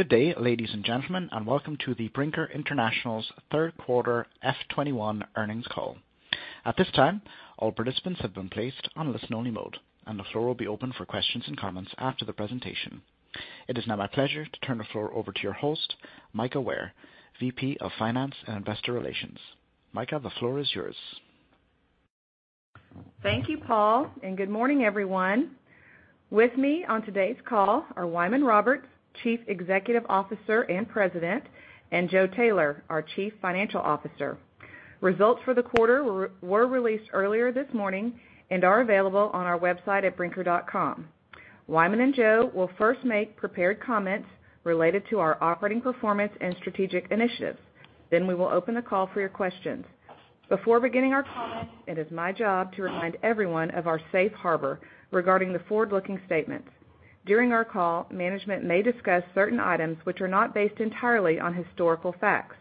Good day, ladies and gentlemen, and welcome to the Brinker International's Third Quarter F21 Earnings Call. At this time, all participants have been placed on listen-only mode, and the floor will be open for questions and comments after the presentation. It is now my pleasure to turn the floor over to your host, Mika Ware, VP of Finance and Investor Relations. Mika, the floor is yours. Thank you, Paul, and good morning, everyone. With me on today's call are Wyman Roberts, Chief Executive Officer and President, and Joe Taylor, our Chief Financial Officer. Results for the quarter were released earlier this morning and are available on our website at brinker.com. Wyman and Joe will first make prepared comments related to our operating performance and strategic initiatives. Then we will open the call for your questions. Before beginning our comments, it is my job to remind everyone of our safe harbor regarding the forward-looking statements. During our call, management may discuss certain items which are not based entirely on historical facts.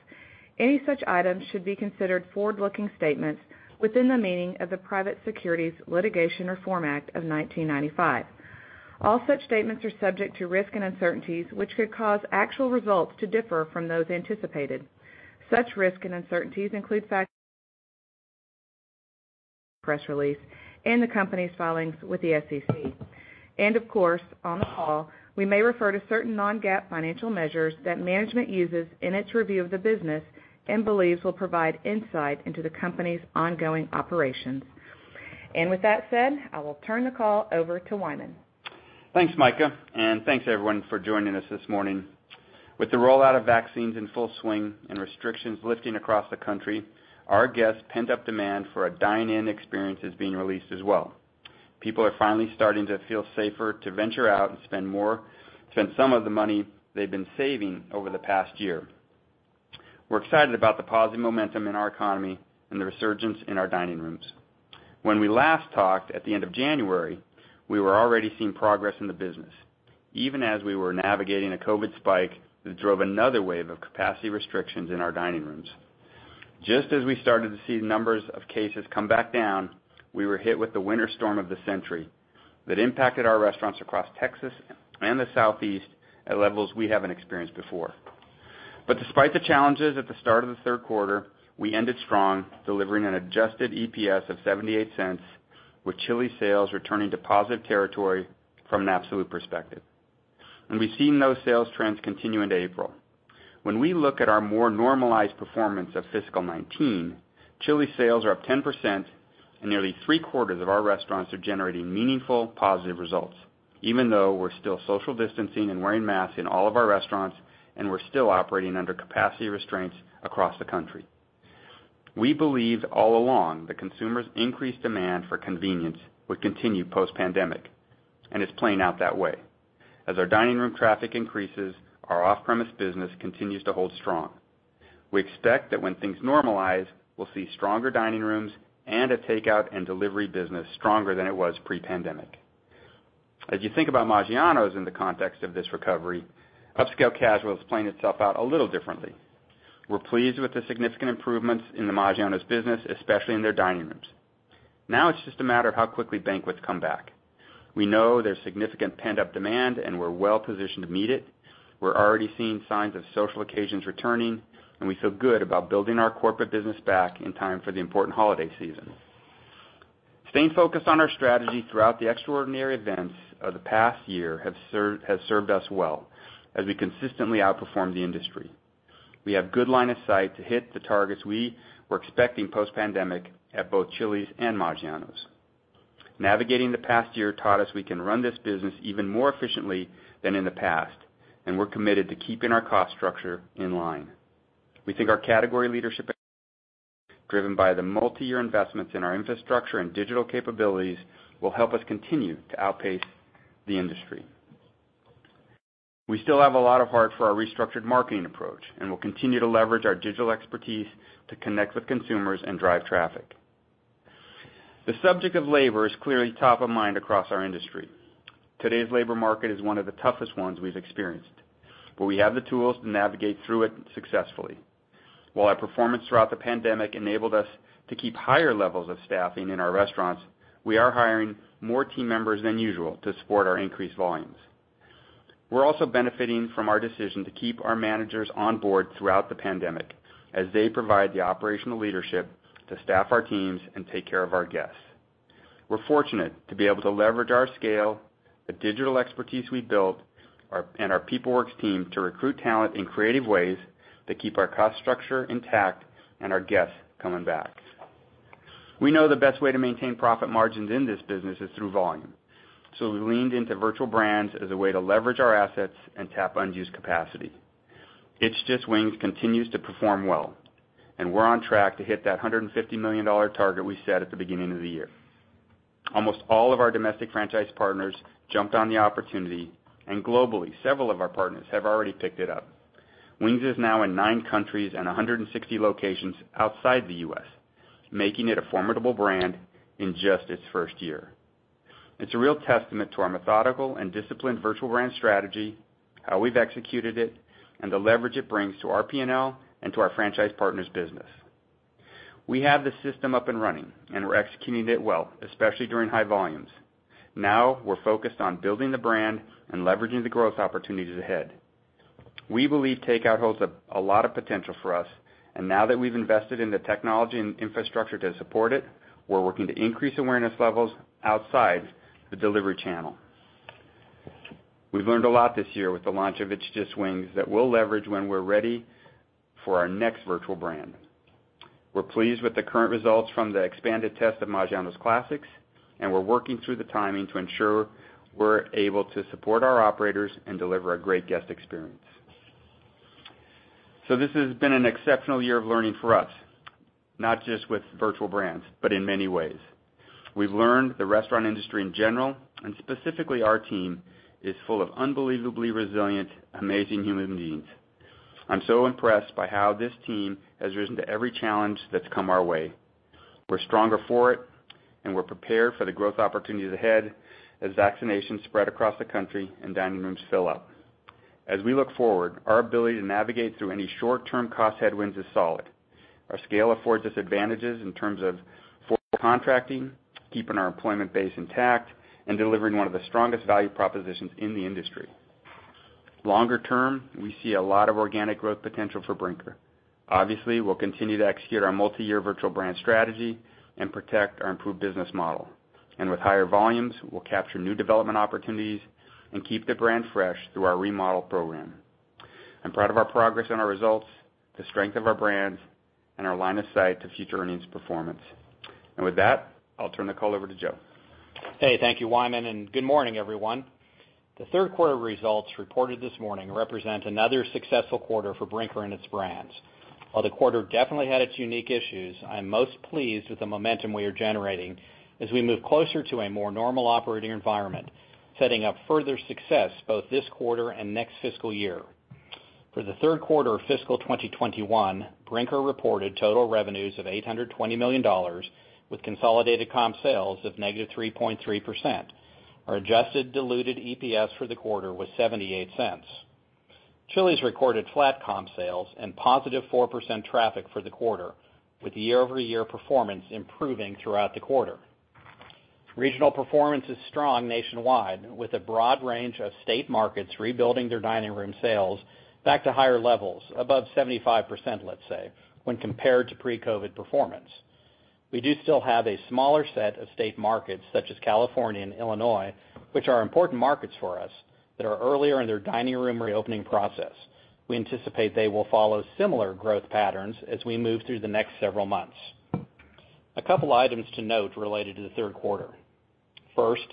Any such items should be considered forward-looking statements within the meaning of the Private Securities Litigation Reform Act of 1995. All such statements are subject to risks and uncertainties, which could cause actual results to differ from those anticipated. Such risks and uncertainties include press release and the company's filings with the SEC. And of course, on the call, we may refer to certain non-GAAP financial measures that management uses in its review of the business and believes will provide insight into the company's ongoing operations. And with that said, I will turn the call over to Wyman. Thanks, Mika, and thanks everyone for joining us this morning. With the rollout of vaccines in full swing and restrictions lifting across the country, our guests' pent-up demand for a dine-in experience is being released as well. People are finally starting to feel safer to venture out and spend some of the money they've been saving over the past year. We're excited about the positive momentum in our economy and the resurgence in our dining rooms. When we last talked at the end of January, we were already seeing progress in the business. Even as we were navigating a COVID spike that drove another wave of capacity restrictions in our dining rooms. Just as we started to see numbers of cases come back down, we were hit with the winter storm of the century that impacted our restaurants across Texas and the Southeast at levels we haven't experienced before. Despite the challenges at the start of the third quarter, we ended strong, delivering an adjusted EPS of $0.78 with Chili's sales returning to positive territory from an absolute perspective. We've seen those sales trends continue into April. When we look at our more normalized performance of fiscal 2019, Chili's sales are up 10% and nearly three-quarters of our restaurants are generating meaningful positive results, even though we're still social distancing and wearing masks in all of our restaurants and we're still operating under capacity restraints across the country. We believed all along the consumers' increased demand for convenience would continue post-pandemic, and it's playing out that way. As our dining room traffic increases, our off-premise business continues to hold strong. We expect that when things normalize, we'll see stronger dining rooms and a takeout and delivery business stronger than it was pre-pandemic. As you think about Maggiano's in the context of this recovery, upscale casual is playing itself out a little differently. We're pleased with the significant improvements in the Maggiano's business, especially in their dining rooms. Now it's just a matter of how quickly banquets come back. We know there's significant pent-up demand, and we're well positioned to meet it. We're already seeing signs of social occasions returning, and we feel good about building our corporate business back in time for the important holiday season. Staying focused on our strategy throughout the extraordinary events of the past year has served us well as we consistently outperform the industry. We have good line of sight to hit the targets we were expecting post-pandemic at both Chili's and Maggiano's. Navigating the past year taught us we can run this business even more efficiently than in the past, and we're committed to keeping our cost structure in line. We think our category leadership, driven by the multi-year investments in our infrastructure and digital capabilities, will help us continue to outpace the industry. We still have a lot of heart for our restructured marketing approach, and we'll continue to leverage our digital expertise to connect with consumers and drive traffic. The subject of labor is clearly top of mind across our industry. Today's labor market is one of the toughest ones we've experienced, but we have the tools to navigate through it successfully. While our performance throughout the pandemic enabled us to keep higher levels of staffing in our restaurants, we are hiring more team members than usual to support our increased volumes. We're also benefiting from our decision to keep our managers on board throughout the pandemic as they provide the operational leadership to staff our teams and take care of our guests. We're fortunate to be able to leverage our scale, the digital expertise we've built, and our PeopleWorks team to recruit talent in creative ways that keep our cost structure intact and our guests coming back. We know the best way to maintain profit margin in this is through volume. We leaned into virtual brands as a way to leverage our assets and tap unused capacity. It's Just Wings continues to perform well, and we're on track to hit that $150 million target we set at the beginning of the year. Almost all of our domestic franchise partners jumped on the opportunity, and globally, several of our partners have already picked it up. Wings is now in nine countries and 160 locations outside the U.S., making it a formidable brand in just its first year. It's a real testament to our methodical and disciplined virtual brand strategy, how we've executed it, and the leverage it brings to our P&L and to our franchise partners' business. We have the system up and running, and we're executing it well, especially during high volumes. Now we're focused on building the brand and leveraging the growth opportunities ahead. We believe takeout holds a lot of potential for us, and now that we've invested in the technology and infrastructure to support it, we're working to increase awareness levels outside the delivery channel. We've learned a lot this year with the launch of It's Just Wings that we'll leverage when we're ready for our next virtual brand. We're pleased with the current results from the expanded test of Maggiano's Italian Classics, we're working through the timing to ensure we're able to support our operators and deliver a great guest experience. This has been an exceptional year of learning for us, not just with virtual brands, but in many ways. We've learned the restaurant industry in general, and specifically our team, is full of unbelievably resilient, amazing human beings. I'm so impressed by how this team has risen to every challenge that's come our way. We're stronger for it, we're prepared for the growth opportunities ahead as vaccinations spread across the country and dining rooms fill up. As we look forward, our ability to navigate through any short-term cost headwinds is solid. Our scale affords us advantages in terms of forward contracting, keeping our employment base intact, and delivering one of the strongest value propositions in the industry. Longer term, we see a lot of organic growth potential for Brinker. We'll continue to execute our multi-year virtual brand strategy and protect our improved business model. With higher volumes, we'll capture new development opportunities and keep the brand fresh through our remodel program. I'm proud of our progress and our results, the strength of our brands, and our line of sight to future earnings performance. With that, I'll turn the call over to Joe. Hey. Thank you, Wyman, and good morning, everyone. The third quarter results reported this morning represent another successful quarter for Brinker and its brands. While the quarter definitely had its unique issues, I'm most pleased with the momentum we are generating as we move closer to a more normal operating environment, setting up further success both this quarter and next fiscal year. For the third quarter of fiscal 2021, Brinker reported total revenues of $820 million with consolidated comp sales of -3.3%. Our adjusted diluted EPS for the quarter was $0.78. Chili's recorded flat comp sales and positive 4% traffic for the quarter, with year-over-year performance improving throughout the quarter. Regional performance is strong nationwide, with a broad range of state markets rebuilding their dining room sales back to higher levels, above 75%, let's say, when compared to pre-COVID performance. We do still have a smaller set of state markets, such as California and Illinois, which are important markets for us that are earlier in their dining room reopening process. We anticipate they will follow similar growth patterns as we move through the next several months. A couple items to note related to the third quarter. First,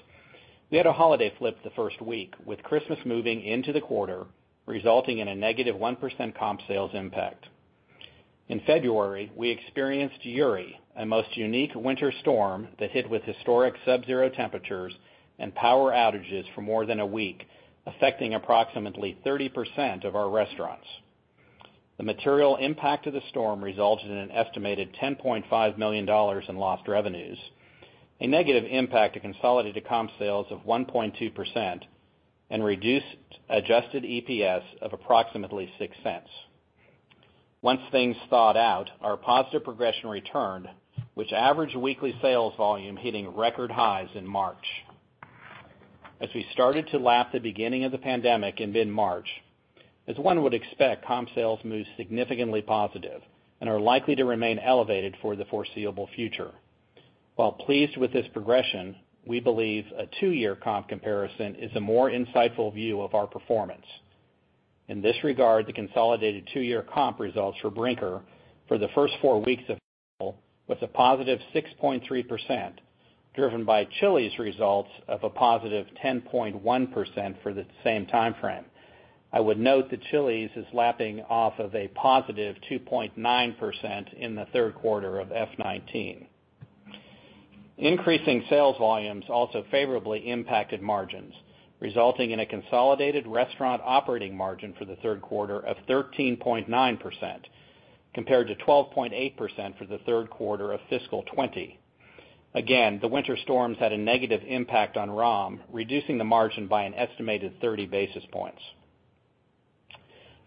we had a holiday flip the first week, with Christmas moving into the quarter, resulting in a negative 1% comp sales impact. In February, we experienced Uri, a most unique winter storm that hit with historic subzero temperatures and power outages for more than a week, affecting approximately 30% of our restaurants. The material impact of the storm resulted in an estimated $10.5 million in lost revenues, a negative impact to consolidated comp sales of 1.2%, and reduced adjusted EPS of approximately $0.06. Once things thawed out, our positive progression returned, with average weekly sales volume hitting record highs in March. As we started to lap the beginning of the pandemic in mid-March, as one would expect, comp sales moved significantly positive and are likely to remain elevated for the foreseeable future. While pleased with this progression, we believe a two-year comp comparison is a more insightful view of our performance. In this regard, the consolidated two-year comp results for Brinker for the first four weeks of April was a +6.3%, driven by Chili's results of a +10.1% for the same timeframe. I would note that Chili's is lapping off of a +2.9% in the third quarter of F19. Increasing sales volumes also favorably impacted margins, resulting in a consolidated restaurant operating margin for the third quarter of 13.9%, compared to 12.8% for the third quarter of fiscal 2020. Again, the winter storms had a negative impact on ROM, reducing the margin by an estimated 30 basis points.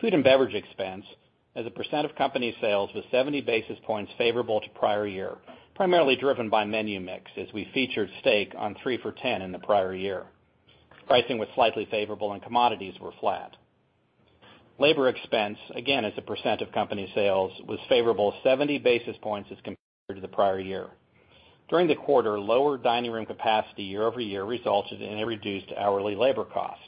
Food and beverage expense as a percent of company sales was 70 basis points favorable to prior year, primarily driven by menu mix as we featured steak on 3 for Me in the prior year. Pricing was slightly favorable and commodities were flat. Labor expense, again, as a percent of company sales, was favorable 70 basis points as compared to the prior year. During the quarter, lower dining room capacity year-over-year resulted in a reduced hourly labor cost.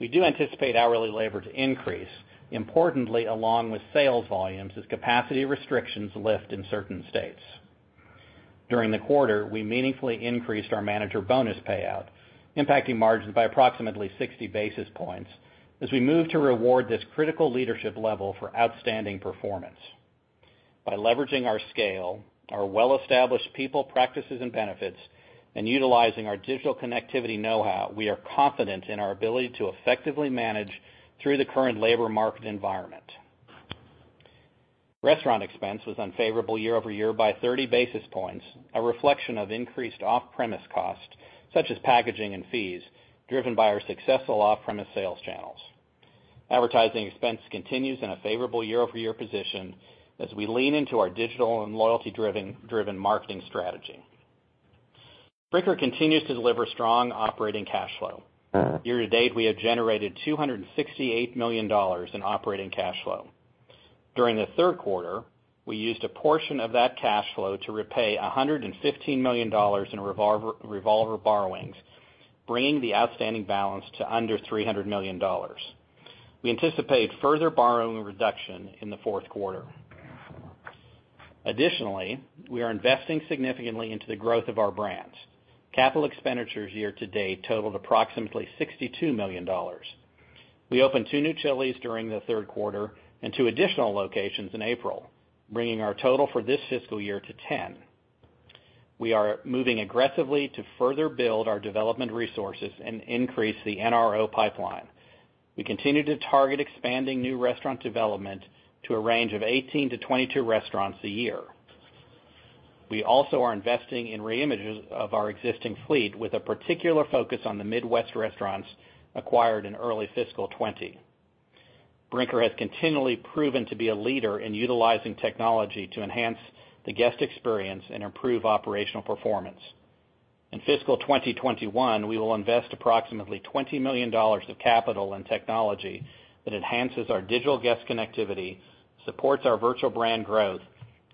We do anticipate hourly labor to increase, importantly, along with sales volumes, as capacity restrictions lift in certain states. During the quarter, we meaningfully increased our manager bonus payout, impacting margins by approximately 60 basis points as we move to reward this critical leadership level for outstanding performance. By leveraging our scale, our well-established people practices and benefits, and utilizing our digital connectivity know-how, we are confident in our ability to effectively manage through the current labor market environment. Restaurant expense was unfavorable year-over-year by 30 basis points, a reflection of increased off-premise costs such as packaging and fees driven by our successful off-premise sales channels. Advertising expense continues in a favorable year-over-year position as we lean into our digital and loyalty-driven marketing strategy. Brinker continues to deliver strong operating cash flow. Year to date, we have generated $268 million in operating cash flow. During the third quarter, we used a portion of that cash flow to repay $115 million in revolver borrowings, bringing the outstanding balance to under $300 million. We anticipate further borrowing reduction in the fourth quarter. Additionally, we are investing significantly into the growth of our brands. Capital expenditures year to date totaled approximately $62 million. We opened two new Chili's during the third quarter and two additional locations in April, bringing our total for this fiscal year to 10. We are moving aggressively to further build our development resources and increase the NRO pipeline. We continue to target expanding new restaurant development to a range of 18-22 restaurants a year. We also are investing in reimages of our existing fleet, with a particular focus on the Midwest restaurants acquired in early fiscal 2020. Brinker has continually proven to be a leader in utilizing technology to enhance the guest experience and improve operational performance. In fiscal 2021, we will invest approximately $20 million of capital and technology that enhances our digital guest connectivity, supports our virtual brand growth,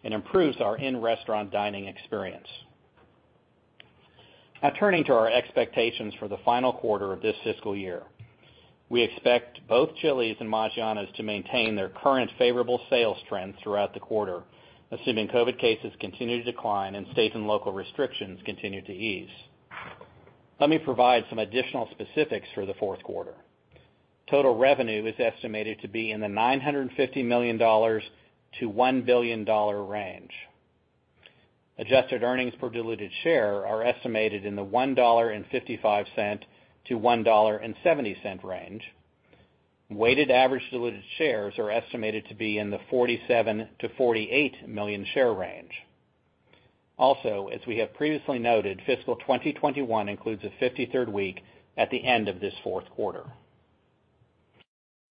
and improves our in-restaurant dining experience. Turning to our expectations for the final quarter of this fiscal year. We expect both Chili's and Maggiano's to maintain their current favorable sales trends throughout the quarter, assuming COVID cases continue to decline and state and local restrictions continue to ease. Let me provide some additional specifics for the fourth quarter. Total revenue is estimated to be in the $950 million-$1 billion range. Adjusted earnings per diluted share are estimated in the $1.55-$1.70 range. Weighted average diluted shares are estimated to be in the 47 million-48 million share range. Also as we have previously noted, fiscal 2021 includes a 53rd week at the end of this fourth quarter.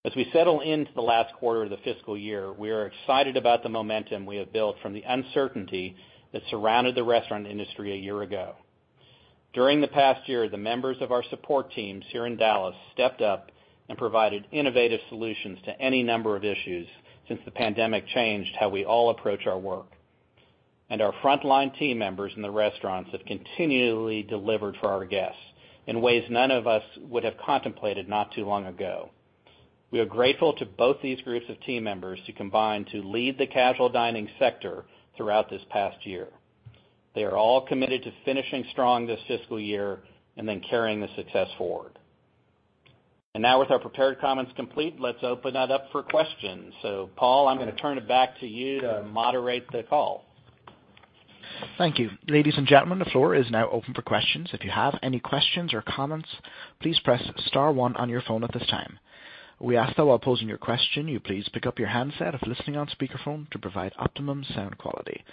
As we settle into the last quarter of the fiscal year, we are excited about the momentum we have built from the uncertainty that surrounded the restaurant industry a year ago. During the past year, the members of our support teams here in Dallas stepped up and provided innovative solutions to any number of issues since the pandemic changed how we all approach our work. And our frontline team members in the restaurants have continually delivered for our guests in ways none of us would have contemplated not too long ago. We are grateful to both these groups of team members who combined to lead the casual dining sector throughout this past year. They are all committed to finishing strong this fiscal year and then carrying the success forward. Now with our prepared comments complete, let's open it up for questions. Paul, I'm going to turn it back to you to moderate the call. Thank you. Ladies and gentlemen, the floor is now open for questions. If you have any questions or comments, please press star one on your phone at this time. We ask, though, while posing your question, you please pick up your handset if listening on speakerphone to provide optimum sound quality.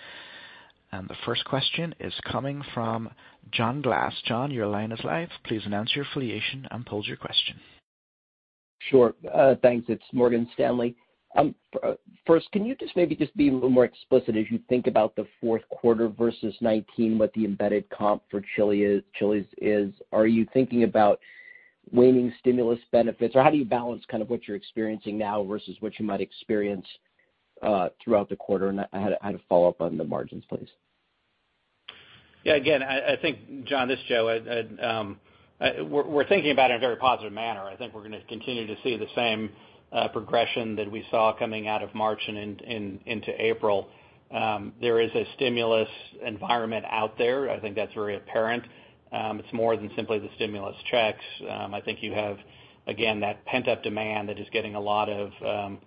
And the first question is coming from John Glass. John, your line is live. Please announce your affiliation and pose your question. Sure. Thanks. It's Morgan Stanley. First, can you just maybe just be a little more explicit as you think about the fourth quarter versus '19, what the embedded comp for Chili's is? Are you thinking about waning stimulus benefits, or how do you balance what you're experiencing now versus what you might experience throughout the quarter? And I had a follow-up on the margins, please. Yeah, again, I think, John, this is Joe. We're thinking about it in a very positive manner. I think we're going to continue to see the same progression that we saw coming out of March and into April. There is a stimulus environment out there. I think that's very apparent. It's more than simply the stimulus checks. I think you have, again, that pent-up demand that is getting a lot of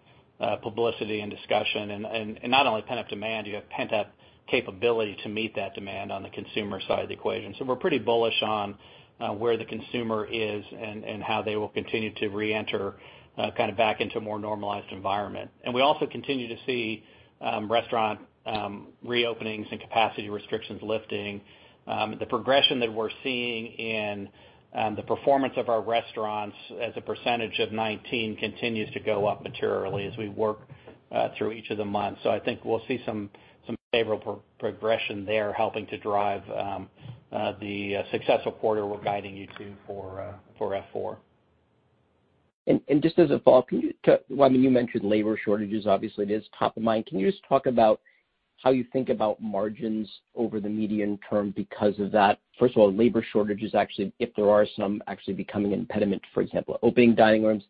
publicity and discussion. Not only pent-up demand, you have pent-up capability to meet that demand on the consumer side of the equation. We're pretty bullish on where the consumer is and how they will continue to reenter back into a more normalized environment. We also continue to see restaurant reopenings and capacity restrictions lifting. The progression that we're seeing in the performance of our restaurants as a percentage of 2019 continues to go up materially as we work through each of the months. I think we'll see some favorable progression there helping to drive the successful quarter we're guiding you to for F4. And just as a follow-up, I mean, you mentioned labor shortages, obviously it is top of mind. Can you just talk about how you think about margins over the medium term because of that? First of all, labor shortages, actually, if there are some actually becoming an impediment, for example, opening dining rooms.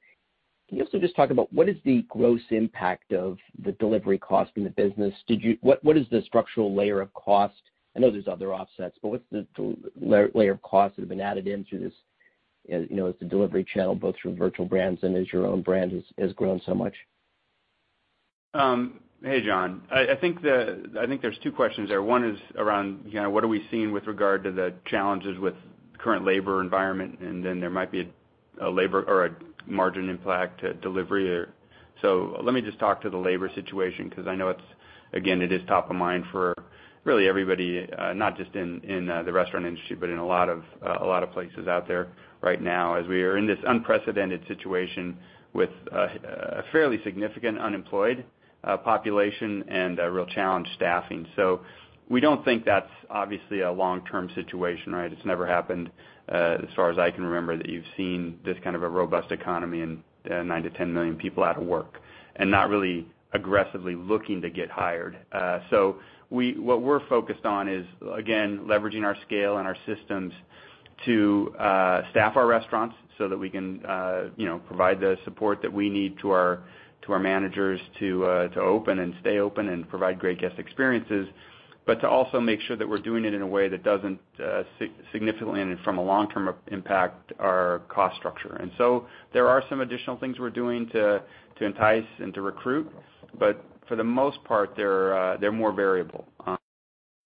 Can you also just talk about what is the gross impact of the delivery cost in the business? What is the structural layer of cost? I know there's other offsets, but what's the layer of cost that has been added in through this as the delivery channel, both through virtual brands and as your own brand has grown so much? Hey, John. I think there's two questions there. One is around what are we seeing with regard to the challenges with current labor environment, and then there might be a margin impact to delivery or. Let me just talk to the labor situation, because I know, again, it is top of mind for really everybody, not just in the restaurant industry, but in a lot of places out there right now as we are in this unprecedented situation with a fairly significant unemployed population and a real challenge staffing. We don't think that's obviously a long-term situation, right? It's never happened as far as I can remember, that you've seen this kind of a robust economy and 9-10 million people out of work and not really aggressively looking to get hired. So, we, what we're focused on is, again, leveraging our scale and our systems to staff our restaurants so that we can provide the support that we need to our managers to open and stay open and provide great guest experiences, but to also make sure that we're doing it in a way that doesn't significantly, from a long-term impact, our cost structure. There are some additional things we're doing to entice and to recruit. But for the most part, they're more variable,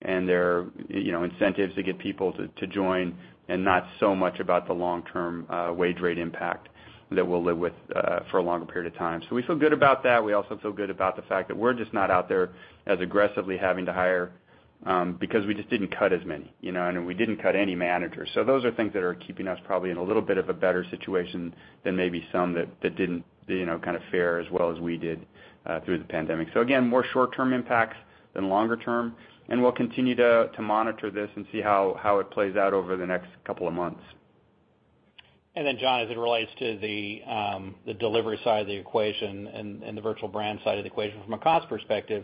and they're incentives to get people to join and not so much about the long-term wage rate impact that we'll live with for a longer period of time. We feel good about that. We also feel good about the fact that we're just not out there as aggressively having to hire, because we just didn't cut as many, and we didn't cut any managers. Those are things that are keeping us probably in a little bit of a better situation than maybe some that didn't kind of fare as well as we did through the pandemic. Again, more short-term impacts than longer term, and we'll continue to monitor this and see how it plays out over the next couple of months. And then John, as it relates to the delivery side of the equation and the virtual brand side of the equation from a cost perspective,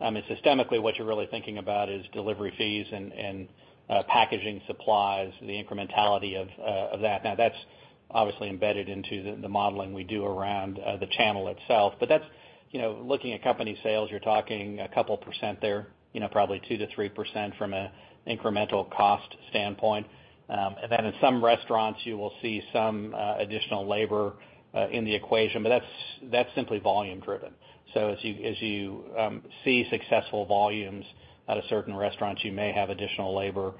systemically, what you're really thinking about is delivery fees and packaging supplies, the incrementality of that. That's obviously embedded into the modeling we do around the channel itself. That's looking at company sales, you're talking a couple percent there, you know, probably 2%-3% from an incremental cost standpoint. In some restaurants, you will see some additional labor in the equation. But that's simply volume driven. As you see successful volumes out of certain restaurants, you may have additional labor,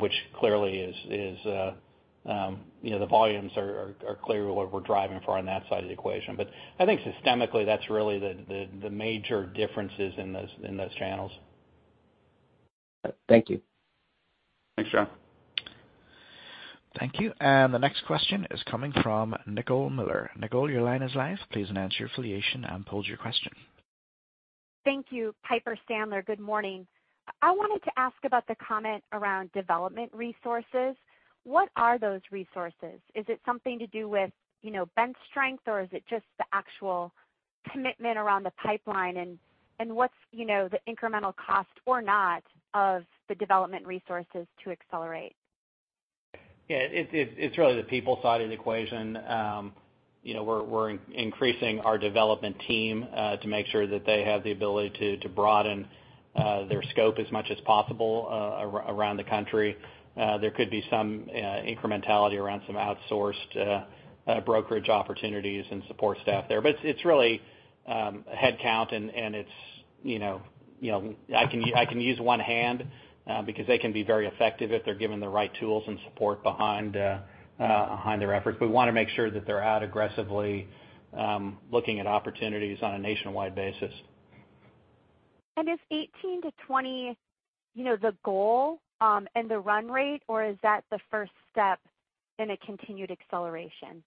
which clearly the volumes are clearly what we're driving for on that side of the equation. But I think systemically, that's really the major differences in those channels. Thank you. Thanks, John. Thank you. The next question is coming from Nicole Miller. Nicole, your line is live. Please announce your affiliation and pose your question. Thank you. Piper Sandler, good morning. I wanted to ask about the comment around development resources. What are those resources? Is it something to do with bench strength, or is it just the actual commitment around the pipeline? What's the incremental cost or not of the development resources to accelerate? Yeah. It's really the people side of the equation. We're increasing our development team to make sure that they have the ability to broaden their scope as much as possible around the country. There could be some incrementality around some outsourced brokerage opportunities and support staff there. It's really headcount, and it's you know, I can use one hand because they can be very effective if they're given the right tools and support behind their efforts. We want to make sure that they're out aggressively looking at opportunities on a nationwide basis. And is 18-20, you know, the goal and the run rate, or is that the first step in a continued acceleration?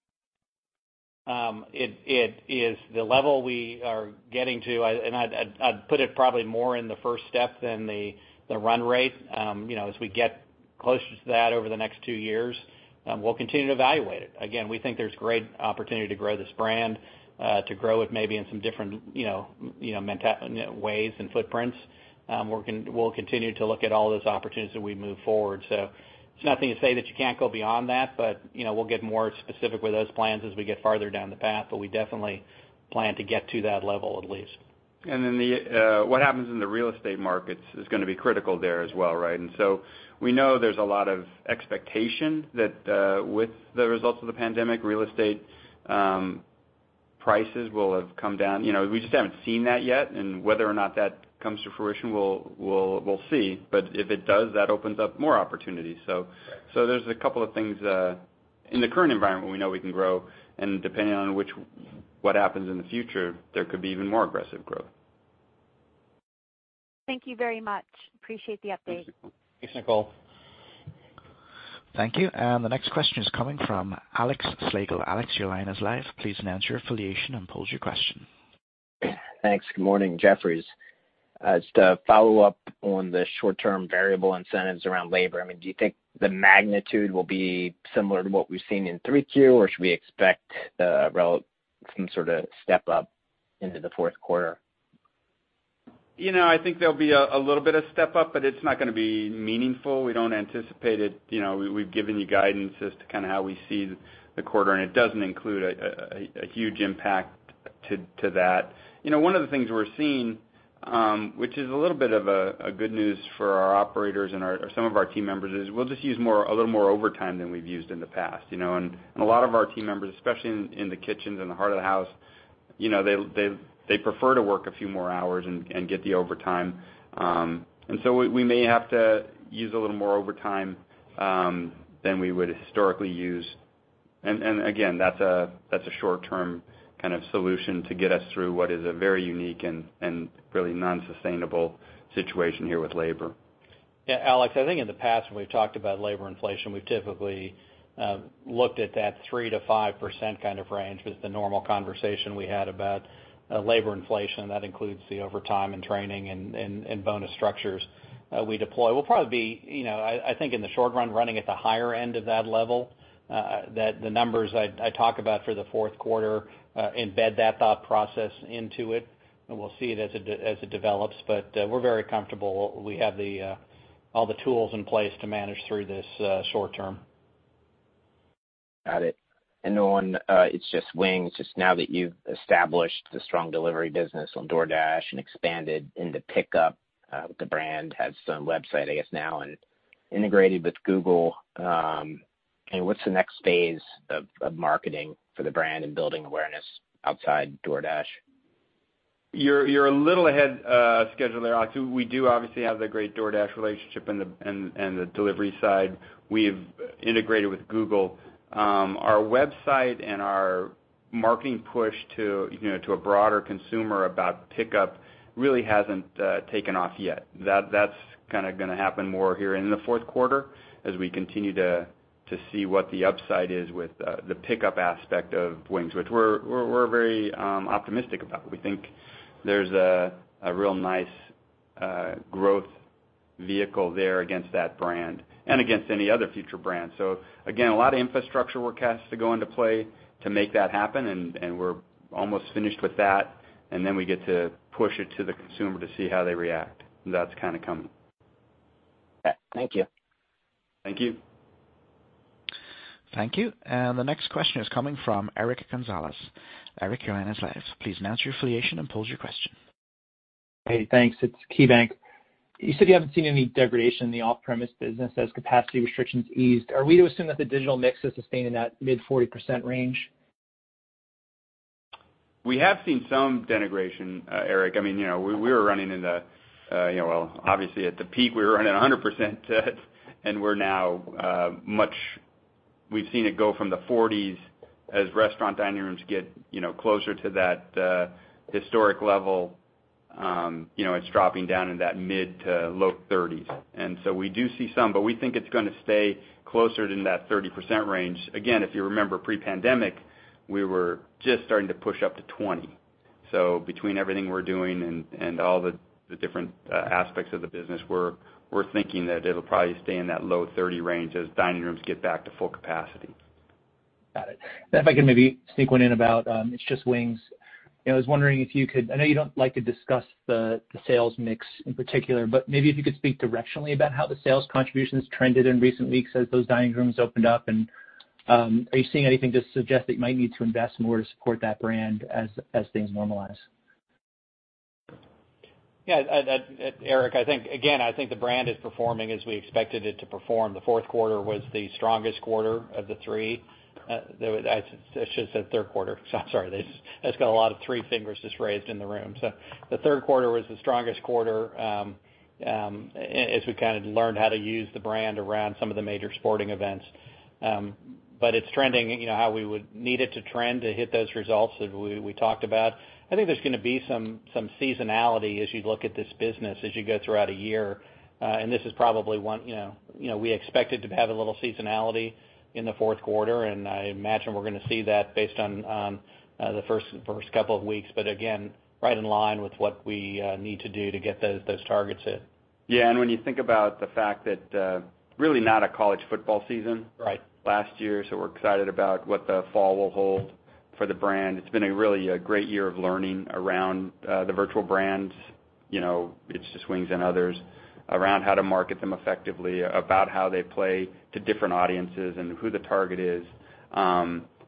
It is the level we are getting to, and I'd put it probably more in the first step than the run rate. As we get closer to that over the next two years, we'll continue to evaluate it. We think there's great opportunity to grow this brand, to grow it maybe in some different, you know, ways and footprints. We'll continue to look at all those opportunities as we move forward. It's nothing to say that you can't go beyond that, but we'll get more specific with those plans as we get farther down the path. But we definitely plan to get to that level at least. And then the, what happens in the real estate markets is going to be critical there as well, right? We know there's a lot of expectation that with the results of the pandemic, real estate prices will have come down. We just haven't seen that yet, and whether or not that comes to fruition, we'll see. But if it does, that opens up more opportunities. There's a couple of things in the current environment we know we can grow, and depending on what happens in the future, there could be even more aggressive growth. Thank you very much. Appreciate the update. Thanks, Nicole. Thank you. The next question is coming from Alex Slagle. Alex, your line is live. Please announce your affiliation and pose your question. Thanks. Good morning. Jefferies. Just to follow up on the short-term variable incentives around labor, do you think the magnitude will be similar to what we've seen in three Q, or should we expect some sort of step up into the fourth quarter? I think there'll be a little bit of step up, but it's not going to be meaningful. We don't anticipate it. We've given you guidance as to kind of how we see the quarter, and it doesn't include a huge impact to that. You know, one of the things we're seeing, which is a little bit of a good news for our operators and some of our team members, is we'll just use a little more overtime than we've used in the past, you know. A lot of our team members, especially in the kitchens and the heart of the house, they prefer to work a few more hours and get the overtime. And so, we may have to use a little more overtime than we would historically use. And again, that's a short-term solution to get us through what is a very unique and really non-sustainable situation here with labor. Yeah, Alex, I think in the past when we've talked about labor inflation, we've typically looked at that 3%-5% range with the normal conversation we had about labor inflation. That includes the overtime and training and bonus structures we deploy. We'll probably be, I think in the short run, running at the higher end of that level, that the numbers I talk about for the fourth quarter embed that thought process into it, and we'll see it as it develops. We're very comfortable. We have all the tools in place to manage through this short term. Got it. And on It's Just Wings, just now that you've established a strong delivery business on DoorDash and expanded into pickup, the brand has some website, I guess now, and integrated with Google. What's the next phase of marketing for the brand and building awareness outside DoorDash? You're a little ahead of schedule there, Alex. We do obviously have the great DoorDash relationship in the delivery side. We've integrated with Google. Our website and our marketing push to a broader consumer about pickup really hasn't taken off yet. That's going to happen more here in the fourth quarter as we continue to see what the upside is with the pickup aspect of Wings, which we're very optimistic about. We think there's a real nice growth vehicle there against that brand and against any other future brand. Again, a lot of infrastructure work has to go into play to make that happen, and we're almost finished with that, and then we get to push it to the consumer to see how they react. That's kinda coming. Thank you. Thank you. Thank you. And the next question is coming from Eric Gonzalez. Eric, your line is live. Please announce your affiliation and pose your question. Hey, thanks. It's KeyBanc. You said you haven't seen any degradation in the off-premise business as capacity restrictions eased. Are we to assume that the digital mix is sustained in that mid-40% range? We have seen some denigration, Eric. I mean, yeah, we were running on that, you know. Obviously at the peak, we were running at 100%, and we've seen it go from the 40s% as restaurant dining rooms get closer to that historic level. It's dropping down in that mid to low 30s%. We do see some, but we think it's going to stay closer to that 30% range. Again, if you remember pre-pandemic, we were just starting to push up to 20%. Between everything we're doing and all the different aspects of the business, we're thinking that it'll probably stay in that low 30% range as dining rooms get back to full capacity. Got it. Then if I could maybe sneak one in about It's Just Wings. I know you don't like to discuss the sales mix in particular, but maybe if you could speak directionally about how the sales contributions trended in recent weeks as those dining rooms opened up, are you seeing anything to suggest that you might need to invest more to support that brand as things normalize? Yeah. Eric, again, I think the brand is performing as we expected it to perform. The fourth quarter was the strongest quarter of the three. I should have said third quarter. I'm sorry. I just got a lot of three fingers just raised in the room. The third quarter was the strongest quarter as we kind of learned how to use the brand around some of the major sporting events. But it's trending how we would need it to trend to hit those results that we talked about. I think there's going to be some seasonality as you look at this business as you go throughout a year. And this is probably one, you know, we expected to have a little seasonality in the fourth quarter, and I imagine we're going to see that based on the first couple of weeks, but again, right in line with what we need to do to get those targets hit. Yeah, and when you think about the fact that really not a college football season- Right. last year, so we're excited about what the fall will hold for the brand. It's been a really a great year of learning around the virtual brands, you know, It's Just Wings and others, around how to market them effectively, about how they play to different audiences, and who the target is.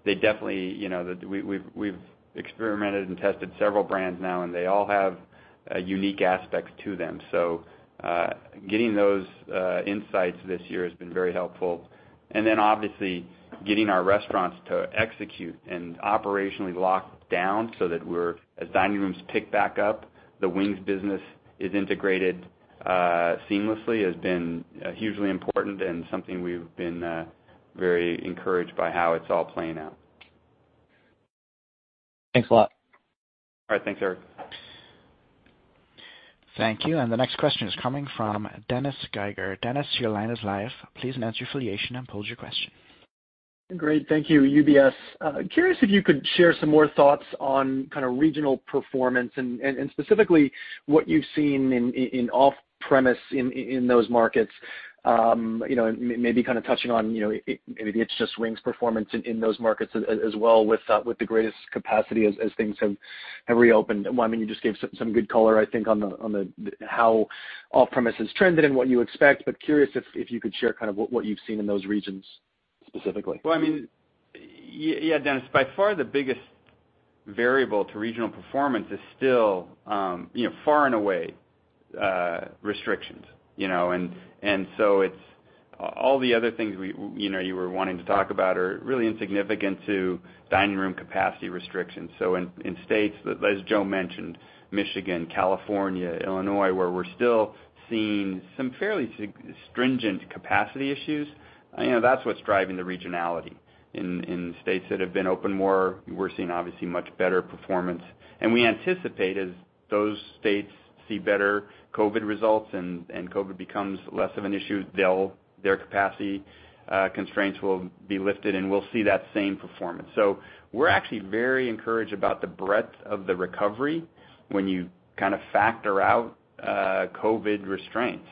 They definitely, you know, we've experimented and tested several brands now, and they all have unique aspects to them. Getting those insights this year has been very helpful. And then obviously, getting our restaurants to execute and operationally lock down so that as dining rooms pick back up, the Wings business is integrated seamlessly has been hugely important and something we've been very encouraged by how it's all playing out. Thanks a lot. All right. Thanks, Eric. Thank you. The next question is coming from Dennis Geiger. Dennis, your line is live. Please announce your affiliation and pose your question. Great. Thank you. UBS. Curious if you could share some more thoughts on regional performance, and specifically what you've seen in off-premise in those markets. Maybe touching on maybe It's Just Wings performance in those markets as well with the greatest capacity as things have reopened. You just gave some good color, I think, on how off-premise has trended and what you expect. Curious if you could share what you've seen in those regions specifically. Yeah, Dennis. By far, the biggest variable to regional performance is still far and away restrictions. All the other things you were wanting to talk about are really insignificant to dining room capacity restrictions. In states, but as Joe mentioned, Michigan, California, Illinois, where we're still seeing some fairly stringent capacity issues, that's what's driving the regionality. In states that have been open more, we're seeing obviously much better performance. And we anticipate as those states see better COVID results and COVID becomes less of an issue, their capacity constraints will be lifted, and we'll see that same performance. We're actually very encouraged about the breadth of the recovery when you kind of factor out COVID restraints.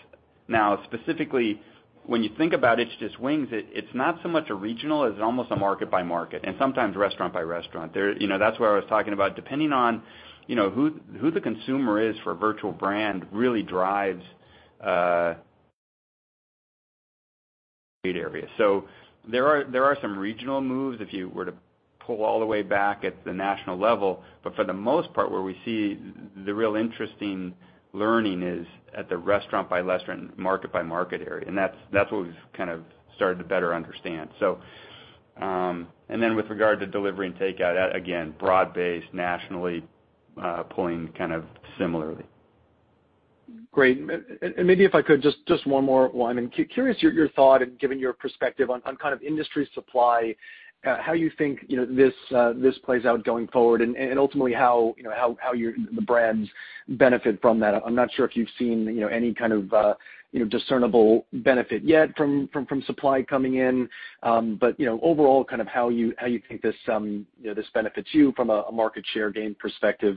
Now, specifically, when you think about It's Just Wings, it's not so much a regional as almost a market by market, and sometimes restaurant by restaurant. That's where I was talking about depending on who the consumer is for a virtual brand really drives a trade area. There are some regional moves if you were to pull all the way back at the national level. But for the most part, where we see the real interesting learning is at the restaurant by restaurant, market by market area, and that's what we've started to better understand. Then with regard to delivery and takeout, again, broad-based, nationally, pulling kind of similarly. Great. Maybe if I could, just one more, Wyman. Curious your thought and giving your perspective on kind of industry supply, how you think this plays out going forward and ultimately how the brands benefit from that. I'm not sure if you've seen any kind of discernible benefit yet from supply coming in. But you know, overall, kind of how you think this benefits you from a market share gain perspective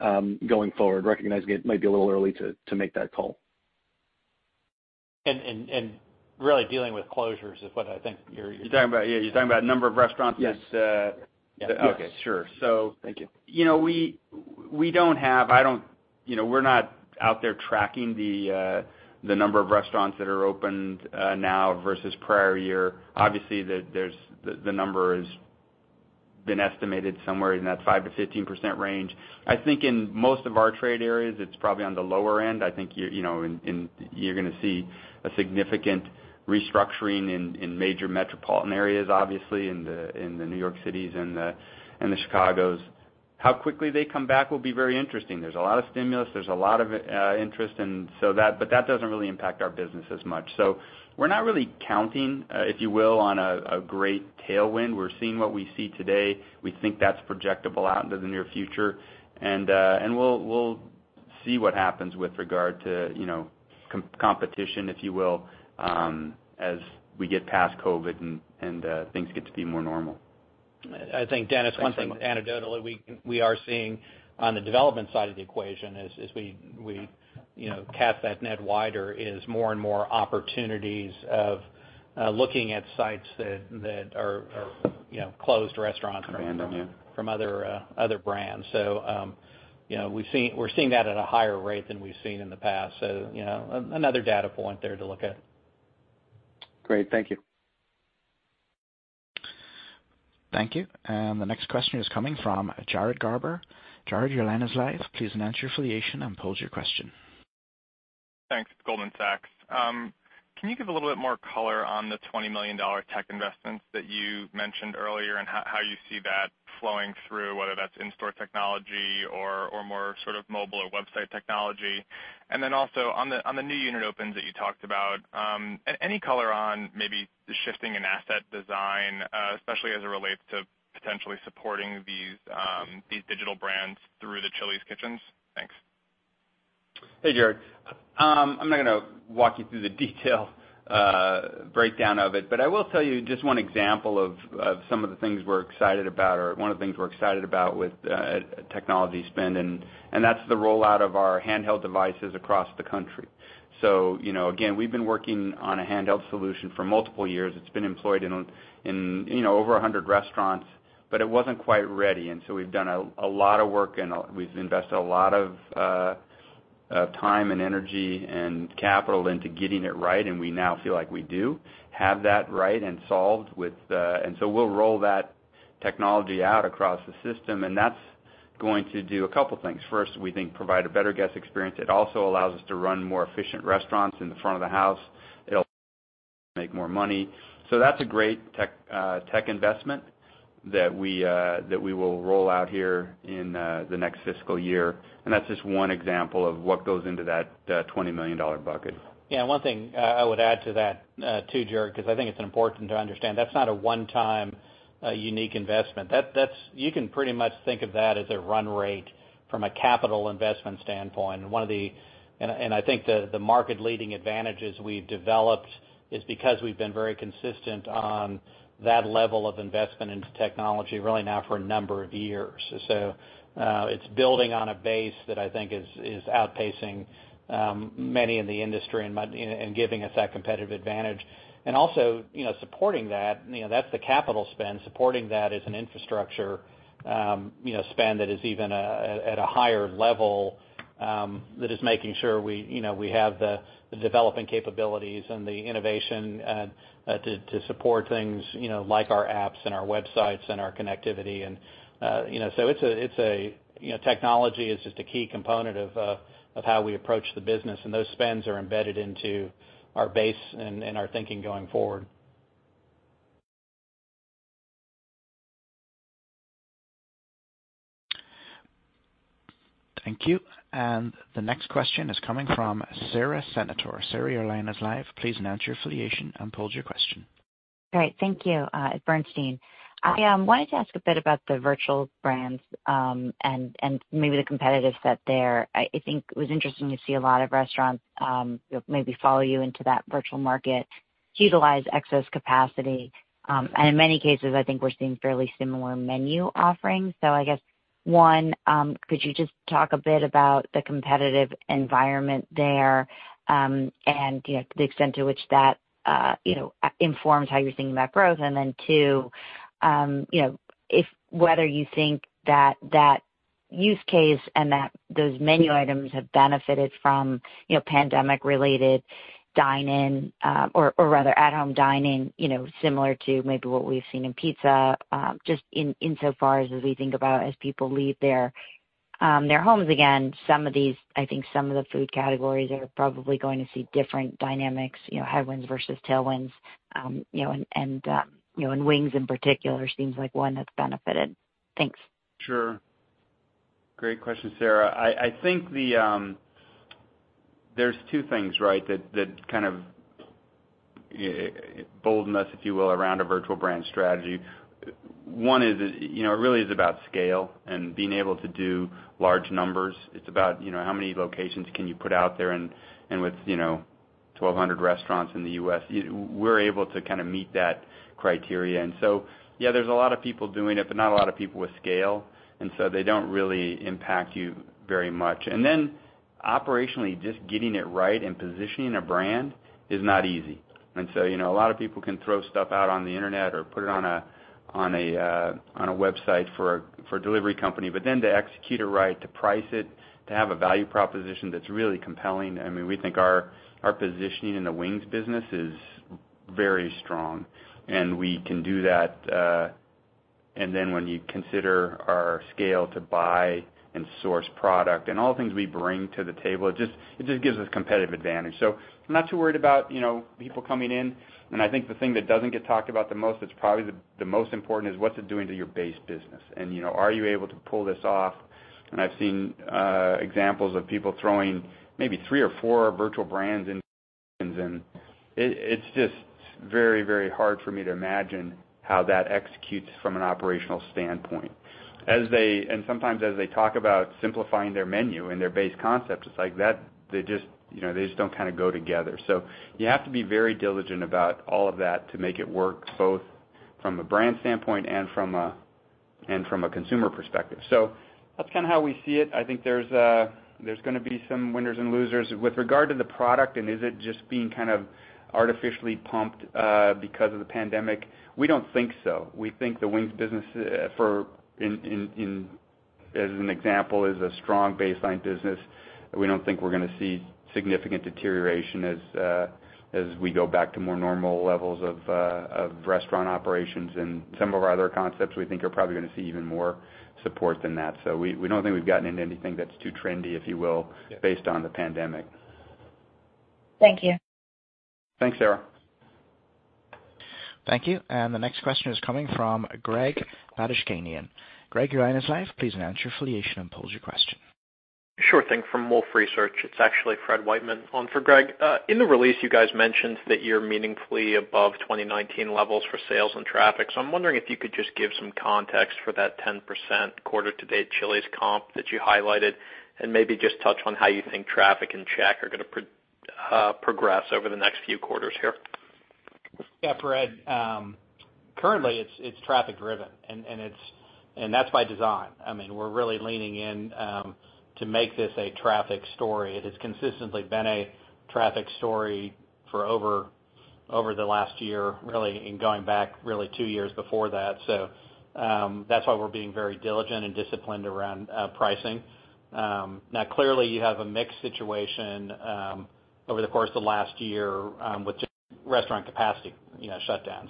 going forward, recognizing it might be a little early to make that call. And, and really dealing with closures is what I think. You're talking about number of restaurants. Yes. Okay. Sure, so... Thank you. We're not out there tracking the number of restaurants that are opened now versus prior year. Obviously, the number has been estimated somewhere in that 5%-15% range. I think in most of our trade areas, it's probably on the lower end. I think you're going to see a significant restructuring in major metropolitan areas, obviously in the New York Cities and the Chicagos. How quickly they come back will be very interesting. There's a lot of stimulus, there's a lot of interest, but that doesn't really impact our business as much. We're not really counting, if you will, on a great tailwind. We're seeing what we see today. We think that's projectable out into the near future. We'll see what happens with regard to competition, if you will, as we get past COVID and things get to be more normal. I think, Dennis, one thing anecdotally we are seeing on the development side of the equation as we cast that net wider, is more and more opportunities of looking at sites that are closed restaurants- Abandoned, yeah. from other brands. We're seeing that at a higher rate than we've seen in the past. Another data point there to look at. Great. Thank you. Thank you. The next question is coming from Jared Garber. Jared, your line is live. Please state your affiliation and pose your question. Thanks. Goldman Sachs. Can you give a little bit more color on the $20 million tech investments that you mentioned earlier, and how you see that flowing through, whether that's in-store technology or more sort of mobile or website technology? Also on the new unit opens that you talked about, any color on maybe the shifting in asset design, especially as it relates to potentially supporting these digital brands through the Chili's kitchens? Thanks. Hey, Jared. I'm not going to walk you through the detail breakdown of it, but I will tell you just one example of some of the things we're excited about, or one of the things we're excited about with technology spend, and that's the rollout of our handheld devices across the country. Again, we've been working on a handheld solution for multiple years. It's been employed in over 100 restaurants, but it wasn't quite ready. We've done a lot of work, and we've invested a lot of time and energy and capital into getting it right, and we now feel like we do have that right and solved. We'll roll that technology out across the system, and that's going to do a couple of things. First, we think provide a better guest experience. It also allows us to run more efficient restaurants in the front of the house. It'll make more money. That's a great tech investment that we will roll out here in the next fiscal year. That's just one example of what goes into that $20 million bucket. Yeah, one thing I would add to that, too, Jared, because I think it's important to understand, that's not a one-time unique investment. You can pretty much think of that as a run rate from a capital investment standpoint. One of the... And I think the market leading advantages we've developed is because we've been very consistent on that level of investment into technology really now for a number of years. It's building on a base that I think is outpacing many in the industry and giving us that competitive advantage. And also supporting that, you know, that's the capital spend. Supporting that is an infrastructure spend that is even at a higher level that is making sure we have the developing capabilities and the innovation to support things like our apps and our websites and our connectivity. Technology is just a key component of how we approach the business, and those spends are embedded into our base and our thinking going forward. Thank you. And the next question is coming from Sara Senatore. Sara, your line is live. Please announce your affiliation and pose your question. Great. Thank you. At Bernstein. I wanted to ask a bit about the virtual brands, and maybe the competitive set there. I think it was interesting to see a lot of restaurants maybe follow you into that virtual market to utilize excess capacity. In many cases, I think we're seeing fairly similar menu offerings. I guess, one, could you just talk a bit about the competitive environment there, and the extent to which that informs how you're thinking about growth? Then two, whether you think that use case and that those menu items have benefited from pandemic-related dine-in, or rather at home dining, similar to maybe what we've seen in pizza, just insofar as we think about as people leave their homes again. Some of these... I think some of the food categories are probably going to see different dynamics, headwinds versus tailwinds, and wings in particular seems like one that's benefited. Thanks. Sure. Great question, Sara. I think there's two things, right? That kind of bolden us, if you will, around a virtual brand strategy. One is, it really is about scale and being able to do large numbers. It's about how many locations can you put out there, and with 1,200 restaurants in the U.S., we're able to meet that criteria. And so, yeah, there's a lot of people doing it, but not a lot of people with scale, and so they don't really impact you very much. And then operationally, just getting it right and positioning a brand is not easy. So, you know, a lot of people can throw stuff out on the internet or put it on a website for a delivery company, but then to execute it right, to price it, to have a value proposition that's really compelling. And we think our positioning in the wings business is very strong, and we can do that. And then when you consider our scale to buy and source product and all the things we bring to the table, it just gives us competitive advantage. I'm not too worried about people coming in. I think the thing that doesn't get talked about the most, that's probably the most important is what's it doing to your base business? Are you able to pull this off? And I've seen examples of people throwing, maybe three or four virtual brands in. It's just very, very hard to imagine how that executes from an operational standpoint. As they... and sometimes as they talk about simplifying their menu and their base concept, just like that, they just, you know, they just kinda don't go together. So, you have to be very diligent about all of that to make it work, both from a brand standpoint and from a consumer perspective. So, that's how we kinda see it. I think there's a, there's going to be some winners and losers. With regard to the product and is it just being artificially pumped because of the pandemic? We don't think so. We think the wings business, as an example, is a strong baseline business. We don't think we're going to see significant deterioration as we go back to more normal levels of restaurant operations. And some of our other concepts we think are probably going to see even more support than that. We don't think we've gotten into anything that's too trendy, if you will, based on the pandemic. Thank you. Thanks, Sara. Thank you. The next question is coming from Greg Badishkanian. Greg, your line is live. Please announce your affiliation and pose your question. Sure thing. From Wolfe Research, it's actually Fred Wightman on for Greg. In the release, you guys mentioned that you're meaningfully above 2019 levels for sales and traffic. So I'm wondering if you could just give some context for that 10% quarter to date Chili's comp that you highlighted, and maybe just touch on how you think traffic and check are going to progress over the next few quarters here. Yeah, Fred. Currently, it's traffic driven. And it's, that's by design. We're really leaning in to make this a traffic story. It has consistently been a traffic story for over the last year, really, going back really two years before that. That's why we're being very diligent and disciplined around pricing. Clearly, you have a mixed situation, over the course of last year, with just restaurant capacity shutdown.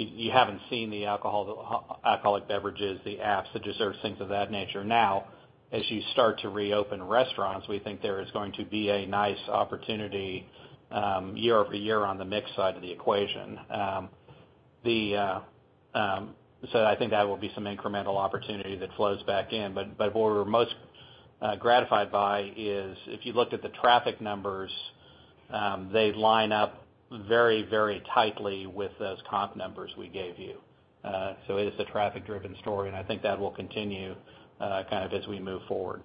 You haven't seen the alcoholic beverages, the apps, the desserts, things of that nature. As you start to reopen restaurants, we think there is going to be a nice opportunity, year-over-year on the mix side of the equation. The, so, I think that will be some incremental opportunity that flows back in. But what we're most gratified by is if you looked at the traffic numbers, they line up very tightly with those comp numbers we gave you. It is a traffic driven story, and I think that will continue as we move forward.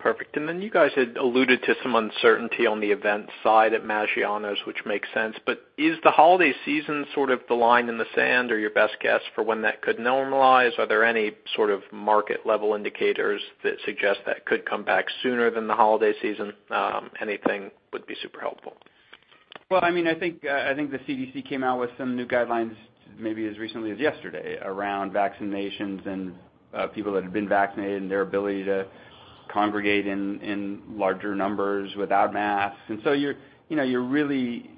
Perfect. Then you guys had alluded to some uncertainty on the event side at Maggiano's, which makes sense, but is the holiday season sort of the line in the sand or your best guess for when that could normalize? Are there any sort of market level indicators that suggest that could come back sooner than the holiday season? Anything would be super helpful. Well, I think the CDC came out with some new guidelines maybe as recently as yesterday around vaccinations and people that have been vaccinated and their ability to congregate in larger numbers without masks. And so, you know, you really,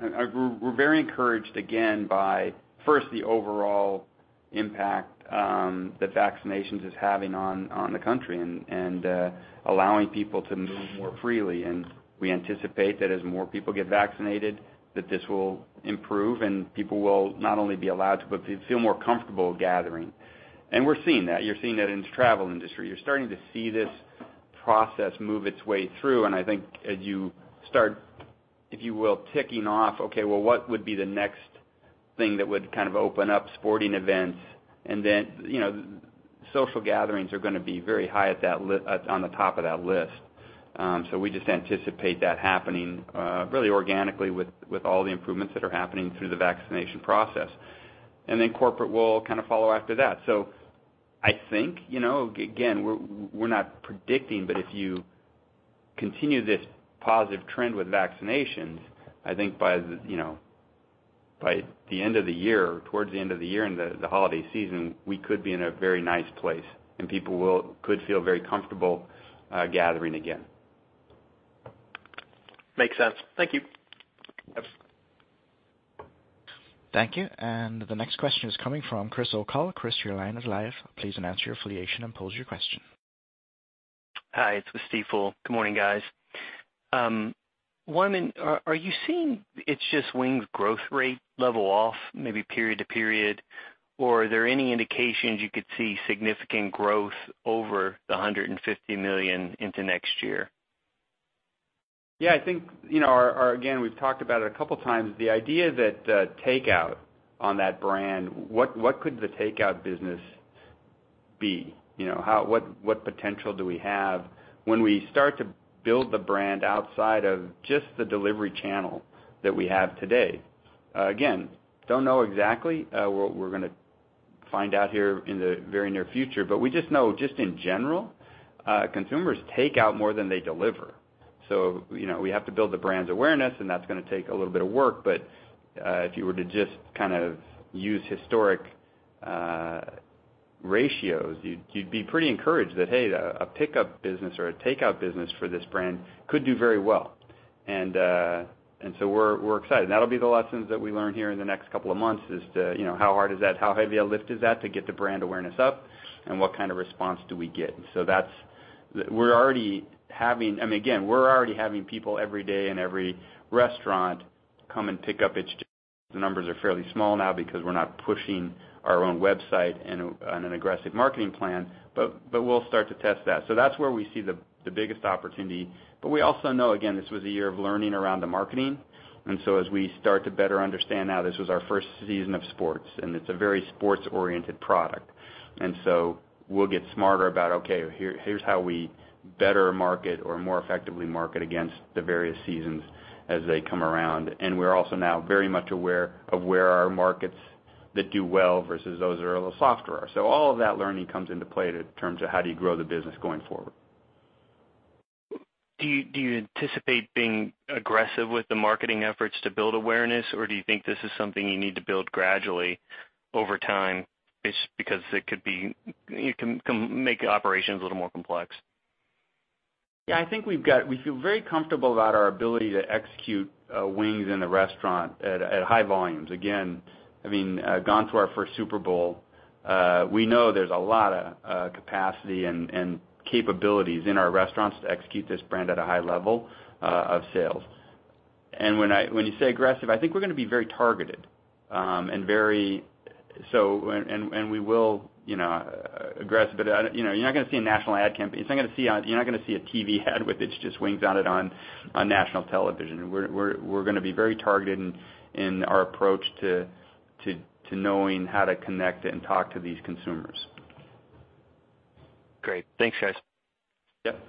we're very encouraged again by first the overall impact that vaccinations is having on the country and allowing people to move more freely. We anticipate that as more people get vaccinated, that this will improve and people will not only be allowed to, but feel more comfortable gathering. And we're seeing that. You're seeing that in the travel industry. You're starting to see this process move its way through, and I think as you start, if you will, ticking off, okay, well, what would be the next thing that would kind of open up sporting events? And then, you know, social gatherings are going to be very high on the top of that list. We just anticipate that happening really organically with all the improvements that are happening through the vaccination process. And then corporate will kind of follow after that. I think, again, we're not predicting, but if you continue this positive trend with vaccinations, I think by the end of the year, towards the end of the year, in the holiday season, we could be in a very nice place, and people could feel very comfortable gathering again. Makes sense. Thank you. Yep. Thank you. The next question is coming from Chris O'Cull. Chris, your line is live. Please announce your affiliation and pose your question. Hi, it's with Stifel. Good morning, guys. One, are you seeing It's Just Wings growth rate level off maybe period to period, or are there any indications you could see significant growth over the $150 million into next year? Yeah, I think, again, we've talked about it a couple times, the idea that the takeout on that brand, what could the takeout business be? What potential do we have when we start to build the brand outside of just the delivery channel that we have today? Again, don't know exactly. We're going to find out here in the very near future. But we just know, just in general, consumers take out more than they deliver. We have to build the brand's awareness, and that's going to take a little bit of work. If you were to just kind of use historic ratios, you'd be pretty encouraged that, hey, a pickup business or a takeout business for this brand could do very well. And so we're excited. That'll be the lessons that we learn here in the next couple of months as to how hard is that, how heavy a lift is that to get the brand awareness up, and what kind of response do we get? I mean, again, we're already having people every day in every restaurant come and pick up It's Just Wings. The numbers are fairly small now because we're not pushing our own website on an aggressive marketing plan. But we'll start to test that. That's where we see the biggest opportunity. We also know, again, this was a year of learning around the marketing. As we start to better understand now, this was our first season of sports, and it's a very sports-oriented product. We'll get smarter about, okay, here's how we better market or more effectively market against the various seasons as they come around. We're also now very much aware of where our markets that do well versus those that are a little softer are. All of that learning comes into play in terms of how do you grow the business going forward. Do you anticipate being aggressive with the marketing efforts to build awareness, or do you think this is something you need to build gradually over time? Because it can make operations a little more complex. Yeah, I think we feel very comfortable about our ability to execute Wings in the restaurant at high volumes. Again, I mean, gone to our first Super Bowl. We know there's a lot of capacity and capabilities in our restaurants to execute this brand at a high level of sales. When you say aggressive, I think we're going to be very targeted. We will aggressive, but you're not going to see a national ad campaign. You're not going to see a TV ad with It's Just Wings on it on national television. We're going to be very targeted in our approach to knowing how to connect and talk to these consumers. Great. Thanks, guys. Yep.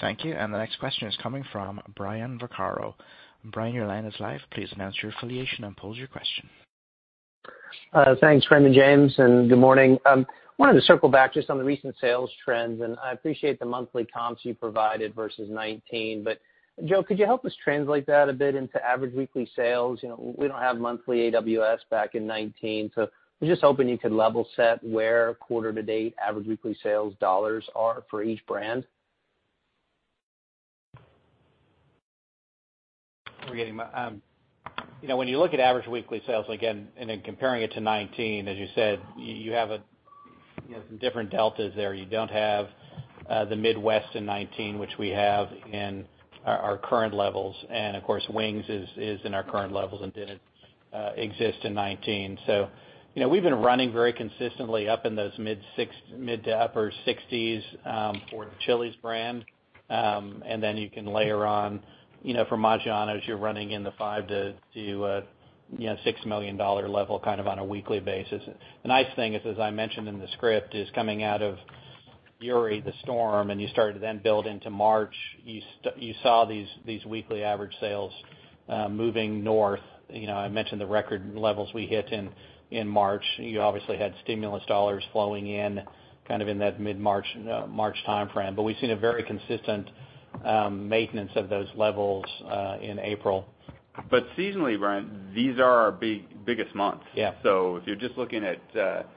Thank you. And the next question is coming from Brian Vaccaro. Brian, your line is live. Please announce your affiliation and pose your question. Thanks, Raymond James, and good morning. Wanted to circle back to some of the recent sales trend and I appreciate the monthly comps you provided versus 2019. Joe, could you help us translate that a bit into average weekly sales? We don't have monthly AWS back in 2019, I was just hoping you could level set where quarter to date average weekly sales dollars are for each brand. When you look at average weekly sales, again, then comparing it to 2019, as you said, you have some different deltas there. You don't have the Midwest in 2019, which we have in our current levels. Of course, Wings is in our current levels and didn't exist in 2019. We've been running very consistently up in those mid to upper 60s for the Chili's brand. And then you can layer on, for Maggiano's, you're running in the $5 million-$6 million level kind of on a weekly basis. The nice thing is, as I mentioned in the script, is coming out of Uri, the storm, you started to then build into March, you saw these weekly average sales moving north. I mentioned the record levels we hit in March. You obviously had stimulus dollars flowing in, kind of in that mid-March timeframe. We've seen a very consistent maintenance of those levels in April. But seasonally, Brian, these are our biggest months. Yeah. If you're just looking at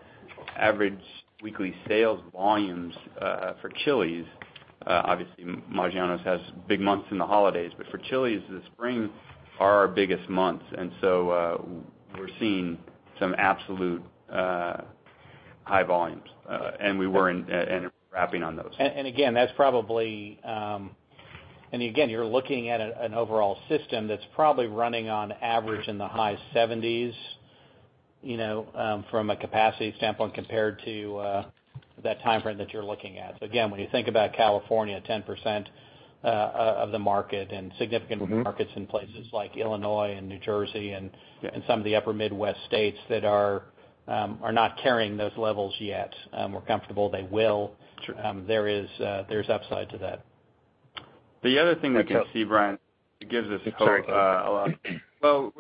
average weekly sales volumes for Chili's, obviously Maggiano's has big months in the holidays, but for Chili's, the spring are our biggest months. We're seeing some absolute high volumes, and we're wrapping on those. And again, that's probably... And again, you're looking at an overall system that's probably running on average in the high 70s, you know, from a capacity standpoint compared to that timeframe that you're looking at. Again, when you think about California, 10% of the market and significant. Markets in places like Illinois and New Jersey. Yeah. And some of the upper Midwest states that are not carrying those levels yet. We're comfortable they will. There's upside to that. The other thing that I see, Brian- That's hope. It gives us hope, I'm sorry. a lot. Well,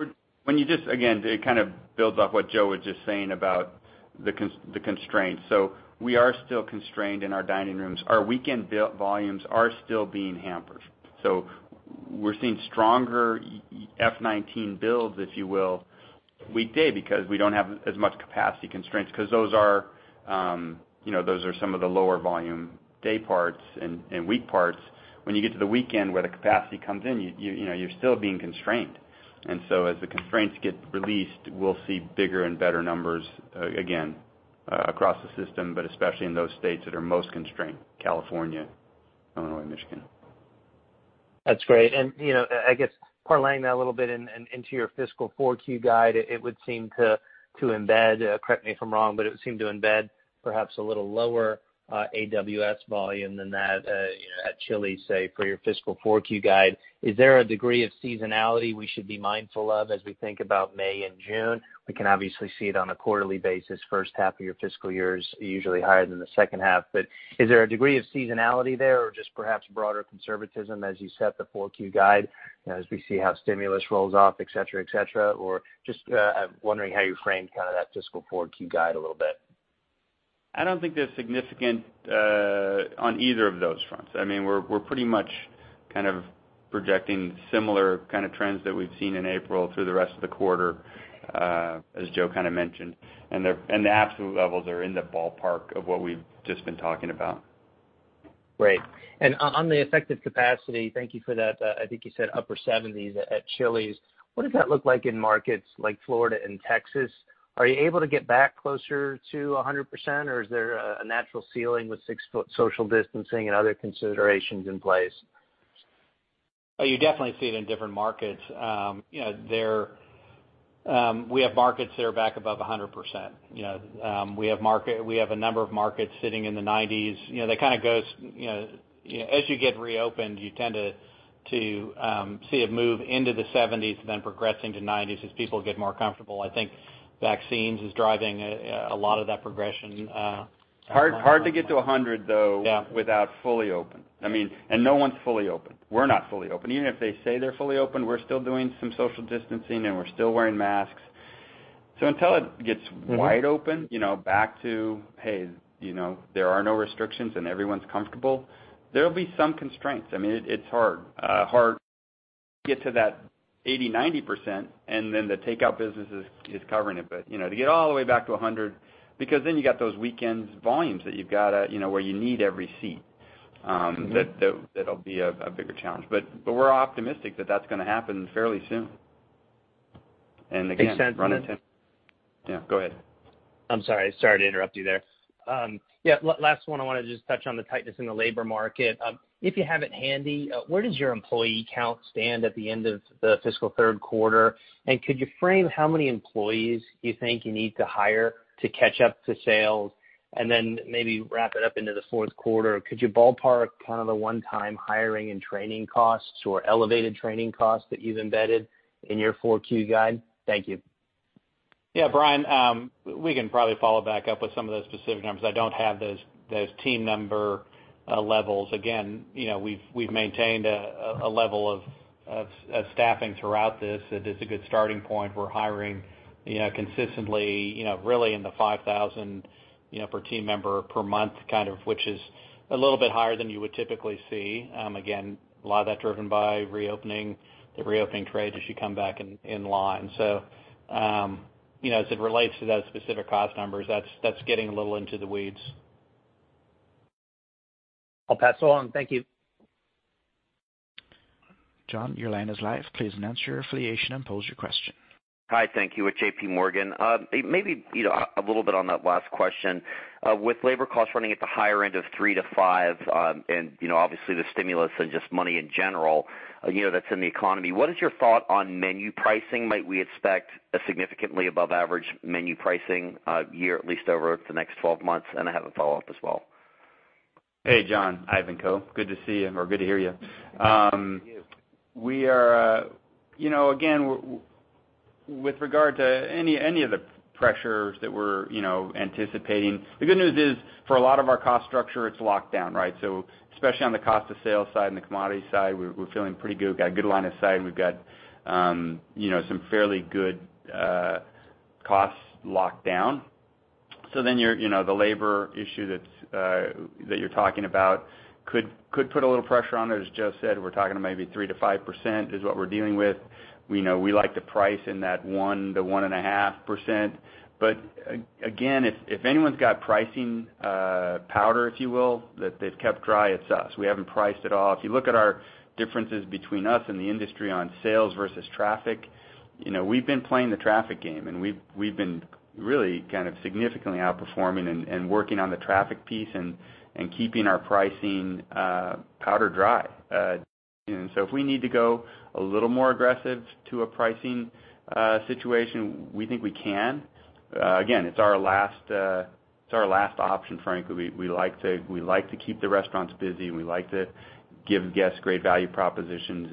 when you just, again, it kind of builds off what Joe was just saying about the constraints. We are still constrained in our dining rooms. Our weekend volumes are still being hampered. We're seeing stronger F19 builds, if you will, weekday because we don't have as much capacity constraints because those are some of the lower volume day parts and week parts. When you get to the weekend where the capacity comes in, you're still being constrained. As the constraints get released, we'll see bigger and better numbers, again, across the system, but especially in those states that are most constrained, California, Illinois, Michigan. That's great. I guess parlaying that a little bit into your fiscal 4Q guide, it would seem to embed, correct me if I'm wrong, but it would seem to embed perhaps a little lower AWS volume than that at Chili's, say, for your fiscal 4Q guide. Is there a degree of seasonality we should be mindful of as we think about May and June? We can obviously see it on a quarterly basis, first half of your fiscal year is usually higher than the second half. Is there a degree of seasonality there or just perhaps broader conservatism as you set the 4Q guide, as we see how stimulus rolls off, et cetera? Just wondering how you frame that fiscal 4Q guide a little bit. I don't think there's significant on either of those fronts. And we're pretty much projecting similar trends that we've seen in April through the rest of the quarter, as Joe kind of mentioned. And the absolute levels are in the ballpark of what we've just been talking about. Great. And on the effective capacity, thank you for that. I think you said upper 70s at Chili's. What does that look like in markets like Florida and Texas? Are you able to get back closer to 100%? Is there a natural ceiling with six-foot social distancing and other considerations in place? You definitely see it in different markets. We have markets that are back above 100%. We have a number of markets sitting in the 90s. You know, they kinda goes, you know, as you get reopened, you tend to see it move into the 70s, then progressing to 90s as people get more comfortable. I think vaccines is driving a lot of that progression. Hard to get to 100, though. Yeah. Without fully open. I mean, and no one's fully open. We're not fully open. Even if they say they're fully open, we're still doing some social distancing, and we're still wearing masks. So, until it gets wide open, back to, "Hey, you know, there are no restrictions, and everyone's comfortable," there'll be some constraints. It's hard to get to that 80%-90%, and then the takeout business is covering it. To get all the way back to 100, because then you got those weekends volumes where you need every seat. That'll be a bigger challenge. But we're optimistic that that's going to happen fairly soon. And- Makes sense. Yeah, go ahead. I'm sorry. Sorry to interrupt you there. Yeah, last one, I want to just touch on the tightness in the labor market. If you have it handy, where does your employee count stand at the end of the fiscal third quarter? Could you frame how many employees you think you need to hire to catch up to sales? And then maybe wrap it up into the fourth quarter, could you ballpark the one-time hiring and training costs or elevated training costs that you've embedded in your 4Q guide? Thank you. Yeah, Brian. We can probably follow back up with some of those specific numbers. I don't have those team number levels. We've maintained a level of staffing throughout this that is a good starting point. We're hiring consistently really in the 5,000 per team member per month, which is a little bit higher than you would typically see. And again, a lot of that driven by the reopening trades as you come back in line. As it relates to those specific cost numbers, that's getting a little into the weeds. I'll pass along. Thank you. John, your line is live. Please announce your affiliation and pose your question. Hi, thank you. With J.P. Morgan. Maybe a little bit on that last question. With labor costs running at the higher end of three to five, and obviously the stimulus and just money in general that's in the economy, what is your thought on menu pricing? Might we expect a significantly above average menu pricing year, at least over the next 12 months? And I have a follow-up as well. Hey, John Ivankoe. Good to see you, or good to hear you. Good to see you. We are... You know, again, with regard to any of the pressures that we're anticipating, the good news is for a lot of our cost structure, it's locked down, right? Especially on the cost of sales side and the commodity side, we're feeling pretty good. Got a good line of sight, and we've got some fairly good costs locked down. So, then, you know, the labor issue that you're talking about could put a little pressure on there. As Joe said, we're talking maybe 3%-5% is what we're dealing with. We like to price in that 1%-1.5%. But again, if anyone's got pricing powder, if you will, that they've kept dry, it's us. We haven't priced at all. If you look at our differences between us and the industry on sales versus traffic, we've been playing the traffic game, and we've been really significantly outperforming and working on the traffic piece and keeping our pricing powder dry. If we need to go a little more aggressive to a pricing situation, we think we can. Again, it's our last option, frankly. We like to keep the restaurants busy, and we like to give guests great value propositions.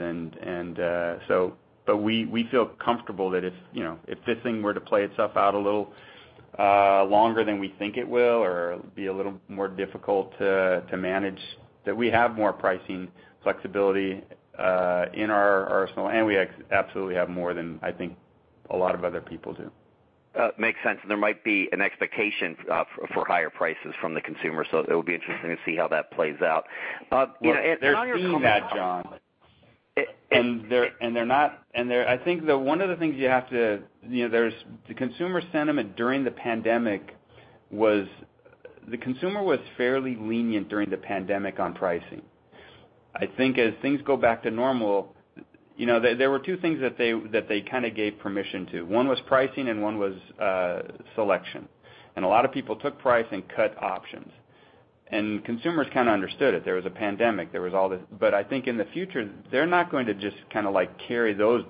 We feel comfortable that if this thing were to play itself out a little longer than we think it will, or be a little more difficult to manage, that we have more pricing flexibility in our arsenal, and we absolutely have more than, I think, a lot of other people do. Makes sense. There might be an expectation for higher prices from the consumer, so it'll be interesting to see how that plays out. But now you're- They're seeing that, John. And they're- And they're not- And they're, I think one of the things you have to, you know, there's, the consumer sentiment during the pandemic was the consumer was fairly lenient during the pandemic on pricing. I think as things go back to normal, there were two things that they kind of gave permission to. One was pricing and one was selection. A lot of people took price and cut options. And consumers kind of understood it. There was a pandemic. There was all this. But I think in the future, they're not going to just carry those.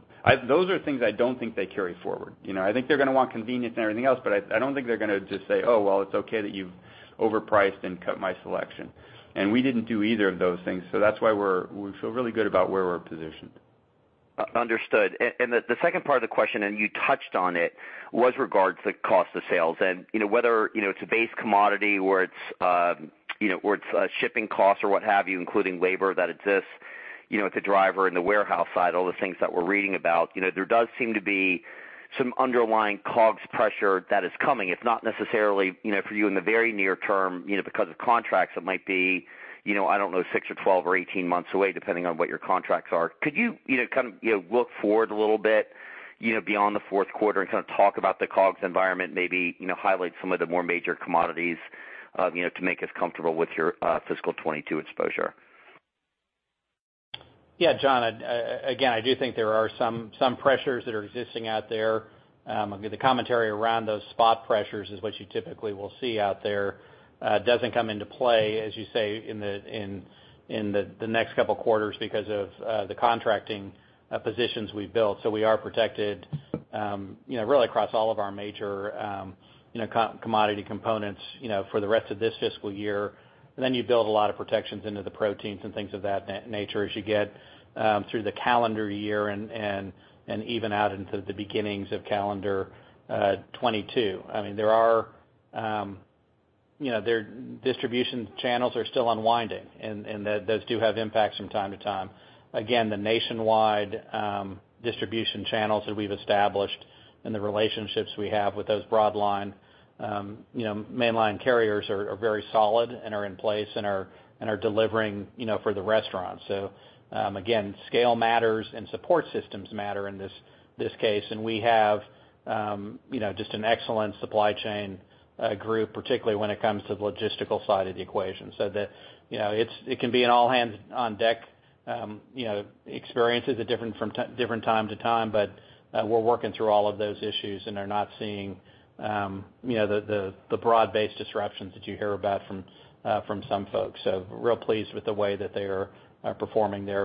Those are things I don't think they carry forward. I think they're going to want convenience and everything else, but I don't think they're going to just say, "Oh, well, it's okay that you've overpriced and cut my selection." We didn't do either of those things. That's why we feel really good about where we're positioned. Understood. The second part of the question, and you touched on it, was regards to cost of sales. Whether it's a base commodity or it's a shipping cost or what have you, including labor that exists, with the driver and the warehouse side, all the things that we're reading about. There does seem to be some underlying COGS pressure that is coming. It's not necessarily, for you in the very near term, because of contracts, it might be, I don't know, six or 12 or 18 months away, depending on what your contracts are. Could you look forward a little bit beyond the fourth quarter and talk about the COGS environment, maybe highlight some of the more major commodities to make us comfortable with your fiscal 2022 exposure? Yeah, John, again, I do think there are some pressures that are existing out there. The commentary around those spot pressures is what you typically will see out there. It doesn't come into play, as you say, in the next couple of quarters because of the contracting positions we've built. We are protected really across all of our major commodity components for the rest of this fiscal year. Then you build a lot of protections into the proteins and things of that nature as you get through the calendar year and even out into the beginnings of calendar 2022. I mean, there are, you know, their distribution channels are still unwinding, and those do have impacts from time to time. Again, the nationwide distribution channels that we've established and the relationships we have with those broadline, mainline carriers are very solid and are in place and are delivering for the restaurant. Again, scale matters and support systems matter in this case. We have just an excellent supply chain group, particularly when it comes to the logistical side of the equation. That it can be an all hands on deck experiences from different time to time, but we're working through all of those issues and are not seeing the broad-based disruptions that you hear about from some folks. Real pleased with the way that they are performing there.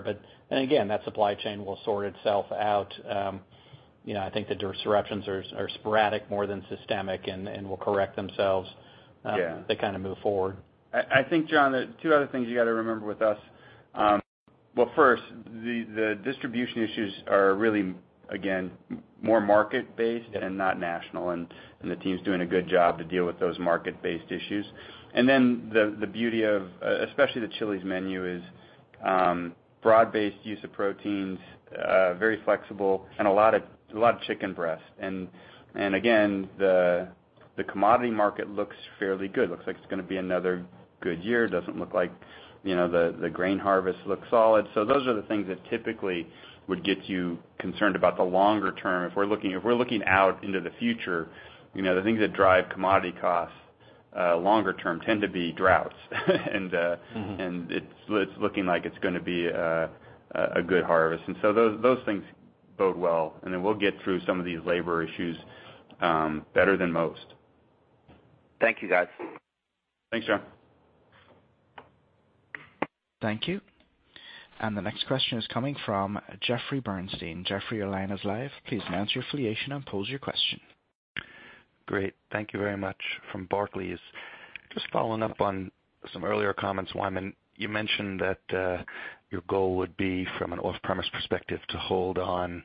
Again, that supply chain will sort itself out. I think the disruptions are sporadic more than systemic and will correct themselves. Yeah. As they kinda move forward. I think, John, two other things you got to remember with us. First, the distribution issues are really, again, more market-based and not national, and the team's doing a good job to deal with those market-based issues. And then, the beauty of, especially the Chili's menu, is broad-based use of proteins, very flexible, and a lot of chicken breast. And again, the commodity market looks fairly good. Looks like it's going to be another good year. The grain harvest looks solid. Those are the things that typically would get you concerned about the longer term. If we're looking out into the future, the things that drive commodity costs longer term tend to be droughts. It's looking like it's going to be a good harvest. So those things bode well. We'll get through some of these labor issues better than most. Thank you, guys. Thanks, John. Thank you. The next question is coming from Jeffrey Bernstein. Jeffrey, your line is live. Please announce your affiliation and pose your question. Great. Thank you very much. From Barclays. Just following up on some earlier comments, Wyman. You mentioned that your goal would be from an off-premise perspective to hold on,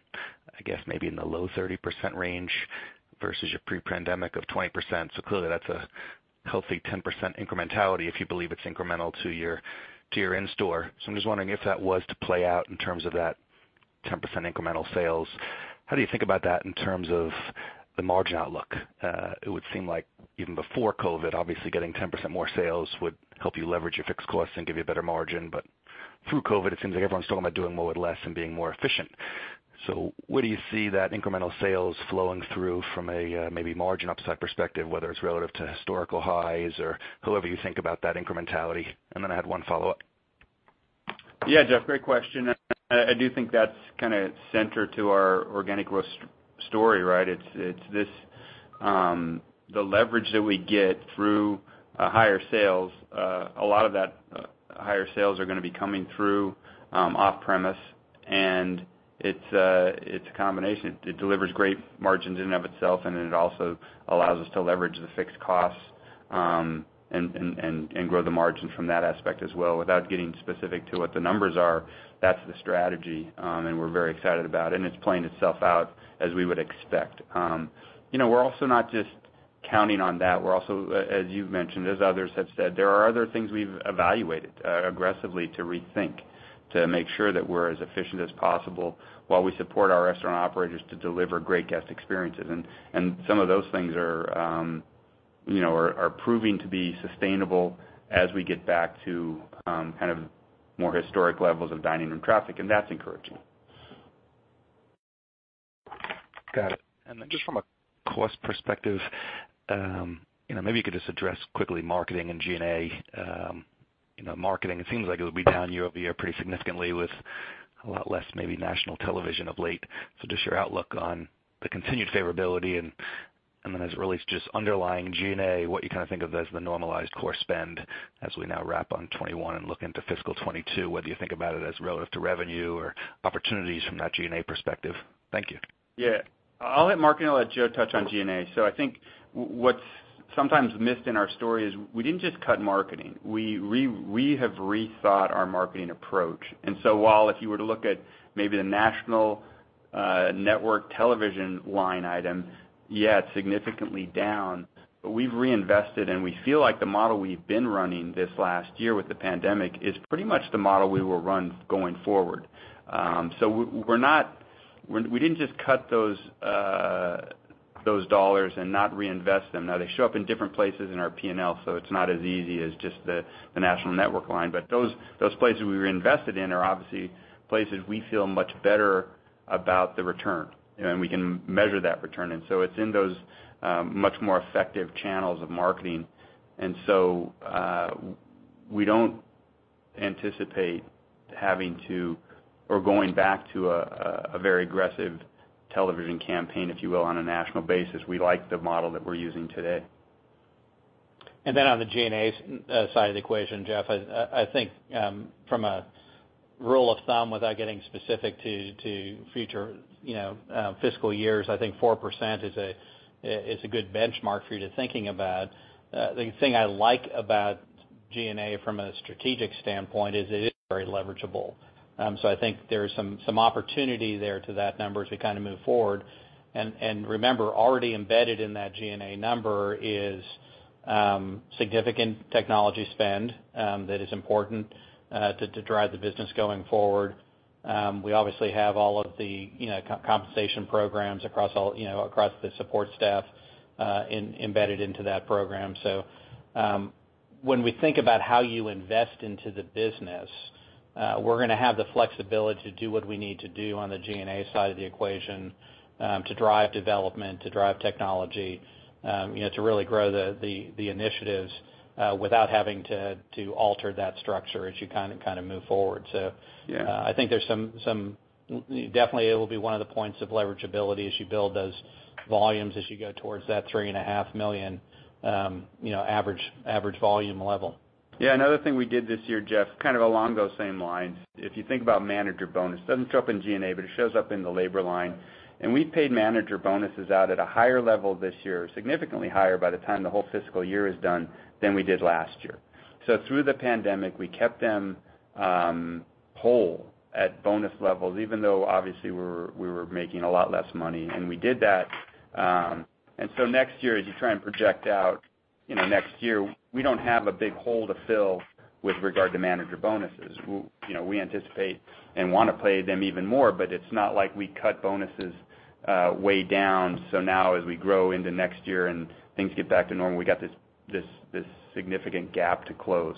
I guess maybe in the low 30% range versus your pre-pandemic of 20%. Clearly that's a healthy 10% incrementality if you believe it's incremental to your in-store. So I'm just wondering if that was to play out in terms of that 10% incremental sales, how do you think about that in terms of the margin outlook? It would seem like even before COVID, obviously getting 10% more sales would help you leverage your fixed costs and give you a better margin. Through COVID, it seems like everyone's talking about doing more with less and being more efficient. Where do you see that incremental sales flowing through from a maybe margin upside perspective, whether it's relative to historical highs or however you think about that incrementality? And I had one follow-up. Yeah, Jeff, great question. I do think that's centered to our organic growth story, right? The leverage that we get through higher sales, a lot of that higher sales are going to be coming through off-premise, and it's a combination. It delivers great margins in and of itself, and then it also allows us to leverage the fixed costs and grow the margins from that aspect as well. Without getting specific to what the numbers are, that's the strategy, and we're very excited about it, and it's playing itself out as we would expect. We're also not just counting on that. We're also, as you've mentioned, as others have said, there are other things we've evaluated aggressively to rethink, to make sure that we're as efficient as possible while we support our restaurant operators to deliver great guest experiences. And some of those things are proving to be sustainable as we get back to more historic levels of dining room traffic, and that's encouraging. Got it. Then just from a cost perspective, maybe you could just address quickly marketing and G&A. Marketing, it seems like it'll be down year-over-year pretty significantly with a lot less maybe national television of late. Just your outlook on the continued favorability, then as it relates to just underlying G&A, what you think of as the normalized core spend as we now wrap on 2021 and look into fiscal 2022, whether you think about it as relative to revenue or opportunities from that G&A perspective. Thank you. Yeah. I'll hit marketing and I'll let Joe touch on G&A. I think what's sometimes missed in our story is we didn't just cut marketing. We have rethought our marketing approach. While if you were to look at maybe the national network television line item, yeah, it's significantly down, but we've reinvested and we feel like the model we've been running this last year with the pandemic is pretty much the model we will run going forward. We're not, we didn't just cut those dollars and not reinvest them. Now they show up in different places in our P&L, so it's not as easy as just the national network line. Those places we reinvested in are obviously places we feel much better about the return, and we can measure that return. It's in those much more effective channels of marketing. We don't anticipate having to or going back to a very aggressive television campaign, if you will, on a national basis. We like the model that we're using today. Then on the G&A side of the equation, Jeff, I think from a rule of thumb, without getting specific to future fiscal years, I think 4% is a good benchmark for you to thinking about. The thing I like about G&A from a strategic standpoint is it is very leverageable. I think there is some opportunity there to that number as we move forward. And remember, already embedded in that G&A number is significant technology spend that is important to drive the business going forward. We obviously have all of the compensation programs across the support staff embedded into that program. When we think about how you invest into the business, we're going to have the flexibility to do what we need to do on the G&A side of the equation to drive development, to drive technology, to really grow the initiatives without having to alter that structure as you move forward. Yeah. I think definitely it will be one of the points of leverageability as you build those volumes as you go towards that 3.5 million average volume level. Yeah, another thing we did this year, Jeff, along those same lines, if you think about manager bonus, it doesn't show up in G&A, but it shows up in the labor line, and we paid manager bonuses out at a higher level this year, significantly higher by the time the whole fiscal year is done, than we did last year. Through the pandemic, we kept them whole at bonus levels, even though obviously we were making a lot less money, and we did that. Next year, as you try and project out next year, we don't have a big hole to fill with regard to manager bonuses. We anticipate and want to pay them even more, but it's not like we cut bonuses way down, so now as we grow into next year and things get back to normal, we got this significant gap to close.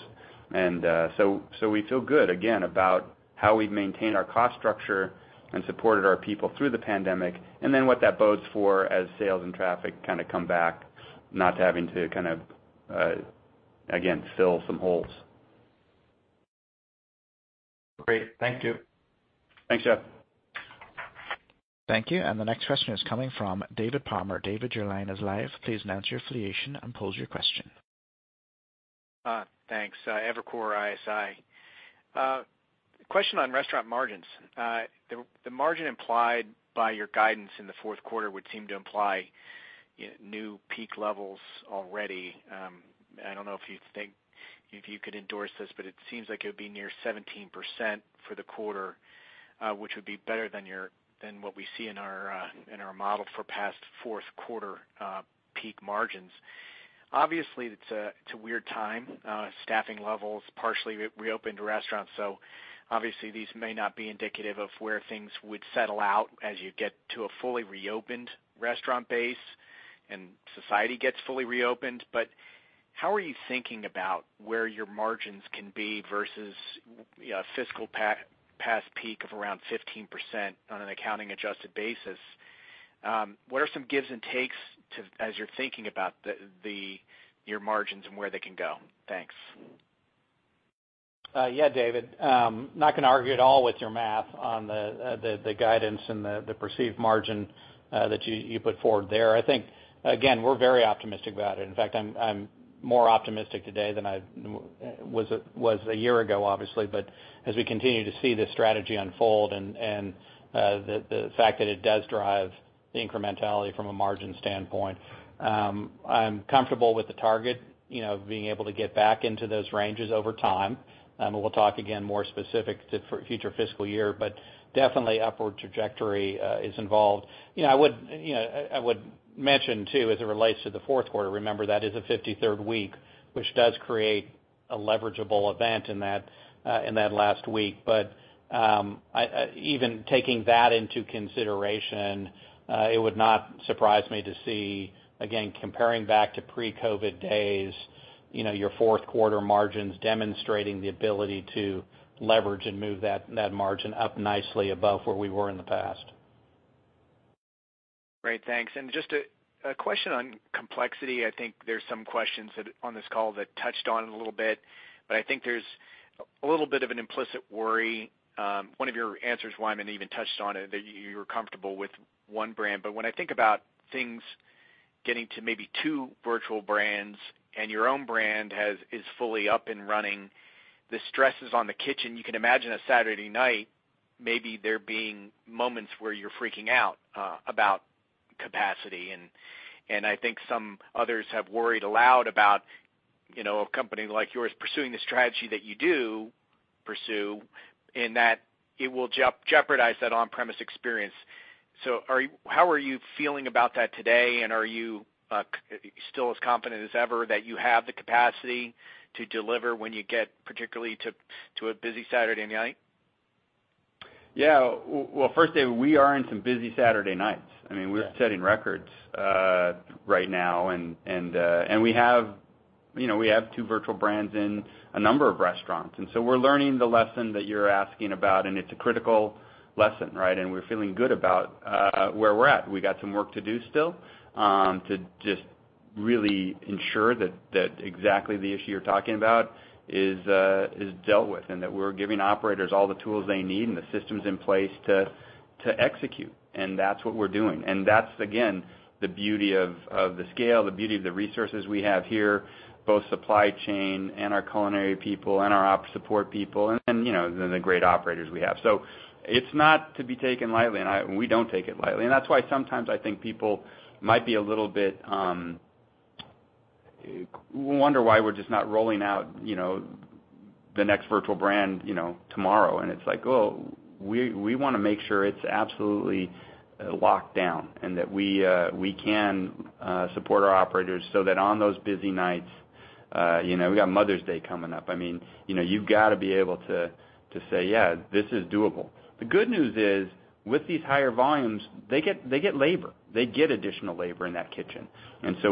We feel good, again, about how we've maintained our cost structure and supported our people through the pandemic, and then what that bodes for as sales and traffic come back, not to having to, again, fill some holes. Great. Thank you. Thanks, Jeff. Thank you. The next question is coming from David Palmer. David, your line is live. Please announce your affiliation and pose your question. Thanks. Evercore ISI. Question on restaurant margins. The margin implied by your guidance in the fourth quarter would seem to imply new peak levels already. I don't know if you could endorse this, but it seems like it would be near 17% for the quarter, which would be better than what we see in our model for past fourth quarter peak margins. Obviously, it's a weird time. Staffing levels, partially reopened restaurants, so obviously these may not be indicative of where things would settle out as you get to a fully reopened restaurant base and society gets fully reopened, but how are you thinking about where your margins can be versus fiscal past peak of around 15% on an accounting adjusted basis? What are some gives and takes as you're thinking about your margins and where they can go? Thanks. Yeah, David. I'm not going to argue at all with your math on the guidance and the perceived margin that you put forward there. I think, again, we're very optimistic about it. In fact, I'm more optimistic today than I was a year ago, obviously, but as we continue to see this strategy unfold and the fact that it does drive the incrementality from a margin standpoint. I'm comfortable with the target, being able to get back into those ranges over time. We'll talk again more specific to future fiscal year, but definitely upward trajectory is involved. I would mention, too, as it relates to the fourth quarter, remember that is a 53rd week, which does create a leverageable event in that last week. But, even taking that into consideration, it would not surprise me to see, again, comparing back to pre-COVID days, your fourth quarter margins demonstrating the ability to leverage and move that margin up nicely above where we were in the past. Great. Thanks. Just a question on complexity. I think there's some questions on this call that touched on it a little bit, but I think there's a little bit of an implicit worry. One of your answers, Wyman, even touched on it, that you were comfortable with one brand. When I think about things getting to maybe two virtual brands, and your own brand is fully up and running, the stresses on the kitchen, you can imagine a Saturday night, maybe there being moments where you're freaking out about capacity. I think some others have worried aloud about a company like yours pursuing the strategy that you do pursue, and that it will jeopardize that on-premise experience. How are you feeling about that today, and are you still as confident as ever that you have the capacity to deliver when you get particularly to a busy Saturday night? Yeah. Well, first, David, we are in some busy Saturday nights. We're setting records right now, and we have two virtual brands in a number of restaurants. We're learning the lesson that you're asking about, and it's a critical lesson, right? We're feeling good about where we're at. We got some work to do still to just really ensure that exactly the issue you're talking about is dealt with, and that we're giving operators all the tools they need and the systems in place to execute. And that's what we're doing. That's, again, the beauty of the scale, the beauty of the resources we have here, both supply chain and our culinary people and our op support people, and then the great operators we have. It's not to be taken lightly, and we don't take it lightly. That's why sometimes I think people might wonder why we're just not rolling out the next virtual brand tomorrow, and it's like, oh, we want to make sure it's absolutely locked down, and that we can support our operators so that on those busy nights, we got Mother's Day coming up. You've got to be able to say, "Yeah, this is doable." The good news is, with these higher volumes, they get labor, they get additional labor in that kitchen.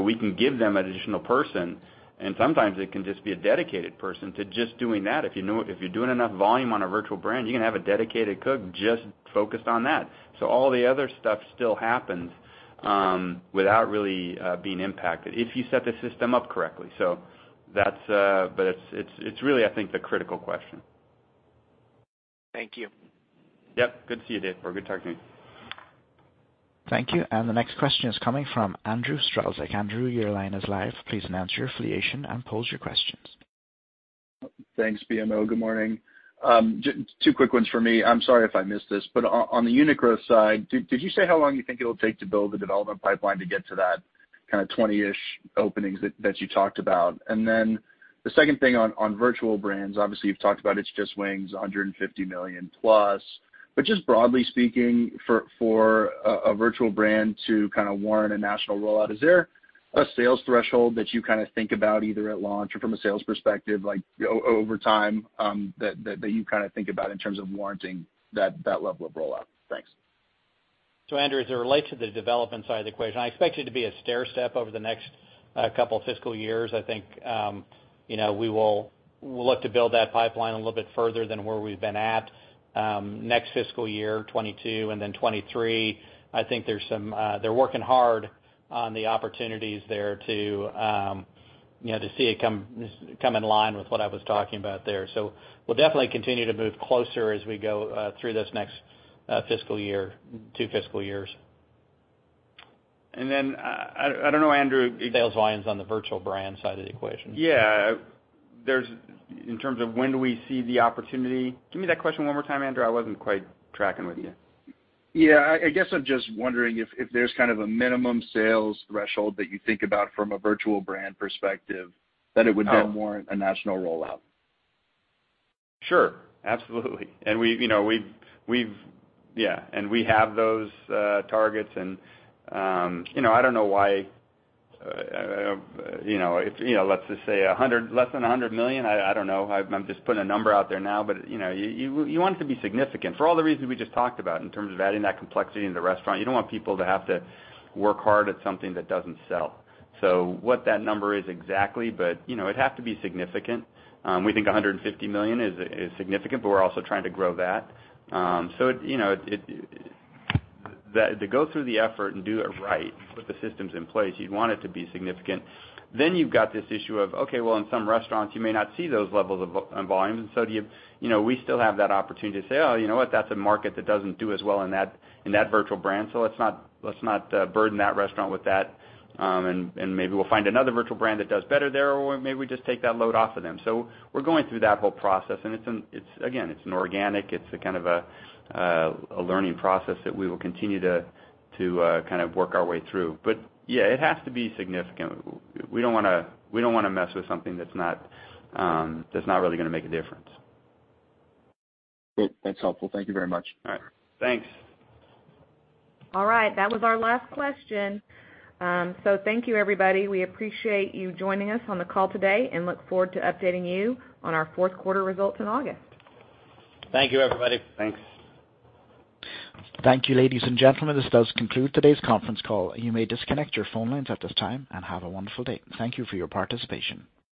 We can give them an additional person, and sometimes it can just be a dedicated person to just doing that. If you're doing enough volume on a virtual brand, you can have a dedicated cook just focused on that. All the other stuff still happens without really being impacted if you set the system up correctly. It's really, I think, the critical question. Thank you. Yep. Good to see you, David. Good talking to you. Thank you. The next question is coming from Andrew Strelzik. Andrew, your line is live. Thanks, BMO. Good morning. Two quick ones for me. I'm sorry if I missed this, on the unit crew side, did you say how long you think it'll take to build the development pipeline to get to that kind of 20-ish openings that you talked about? The second thing on virtual brands, obviously you've talked about It's Just Wings, $150 million plus. Just broadly speaking, for a virtual brand to kind of warrant a national rollout, is there a sales threshold that you kind of think about either at launch or from a sales perspective, like over time, that you kind of think about in terms of warranting that level of rollout? Thanks. Andrew, as it relates to the development side of the equation, I expect it to be a stairstep over the next couple of fiscal years. I think we will look to build that pipeline a little bit further than where we've been at. Next fiscal year, 2022, and then 2023, I think they're working hard on the opportunities there to see it come in line with what I was talking about there. We'll definitely continue to move closer as we go through this next fiscal year, two fiscal years. And then, I don't know, Andrew, The sales lines on the virtual brand side of the equation. Yeah, there's... In terms of when do we see the opportunity? Give me that question one more time, Andrew. I wasn't quite tracking with you. Yeah, I guess I'm just wondering if there's kind of a minimum sales threshold that you think about from a virtual brand perspective that it would help warrant a national rollout? Sure, absolutely. Yeah, we have those targets and I don't know why, let's just say less than $100 million, I don't know. I'm just putting a number out there now, but you want it to be significant for all the reasons we just talked about in terms of adding that complexity in the restaurant. You don't want people to have to work hard at something that doesn't sell. What that number is exactly, but it'd have to be significant. We think $150 million is significant, but we're also trying to grow that. To go through the effort and do it right and put the systems in place, you'd want it to be significant. You've got this issue of, okay, well, in some restaurants, you may not see those levels of volume, we still have that opportunity to say, "Oh, you know what? That's a market that doesn't do as well in that virtual brand, so let's not burden that restaurant with that, and maybe we'll find another virtual brand that does better there, or maybe we just take that load off of them. We're going through that whole process, and again, it's an organic, kind of a learning process that we will continue to kind of work our way through. But yeah, it has to be significant. We don't want to mess with something that's not really going to make a difference. Great. That's helpful. Thank you very much. All right. Thanks. All right. That was our last question. Thank you, everybody. We appreciate you joining us on the call today, and look forward to updating you on our fourth quarter results in August. Thank you, everybody. Thanks. Thank you, ladies and gentlemen. This does conclude today's conference call. You may disconnect your phone lines at this time, and have a wonderful day. Thank you for your participation.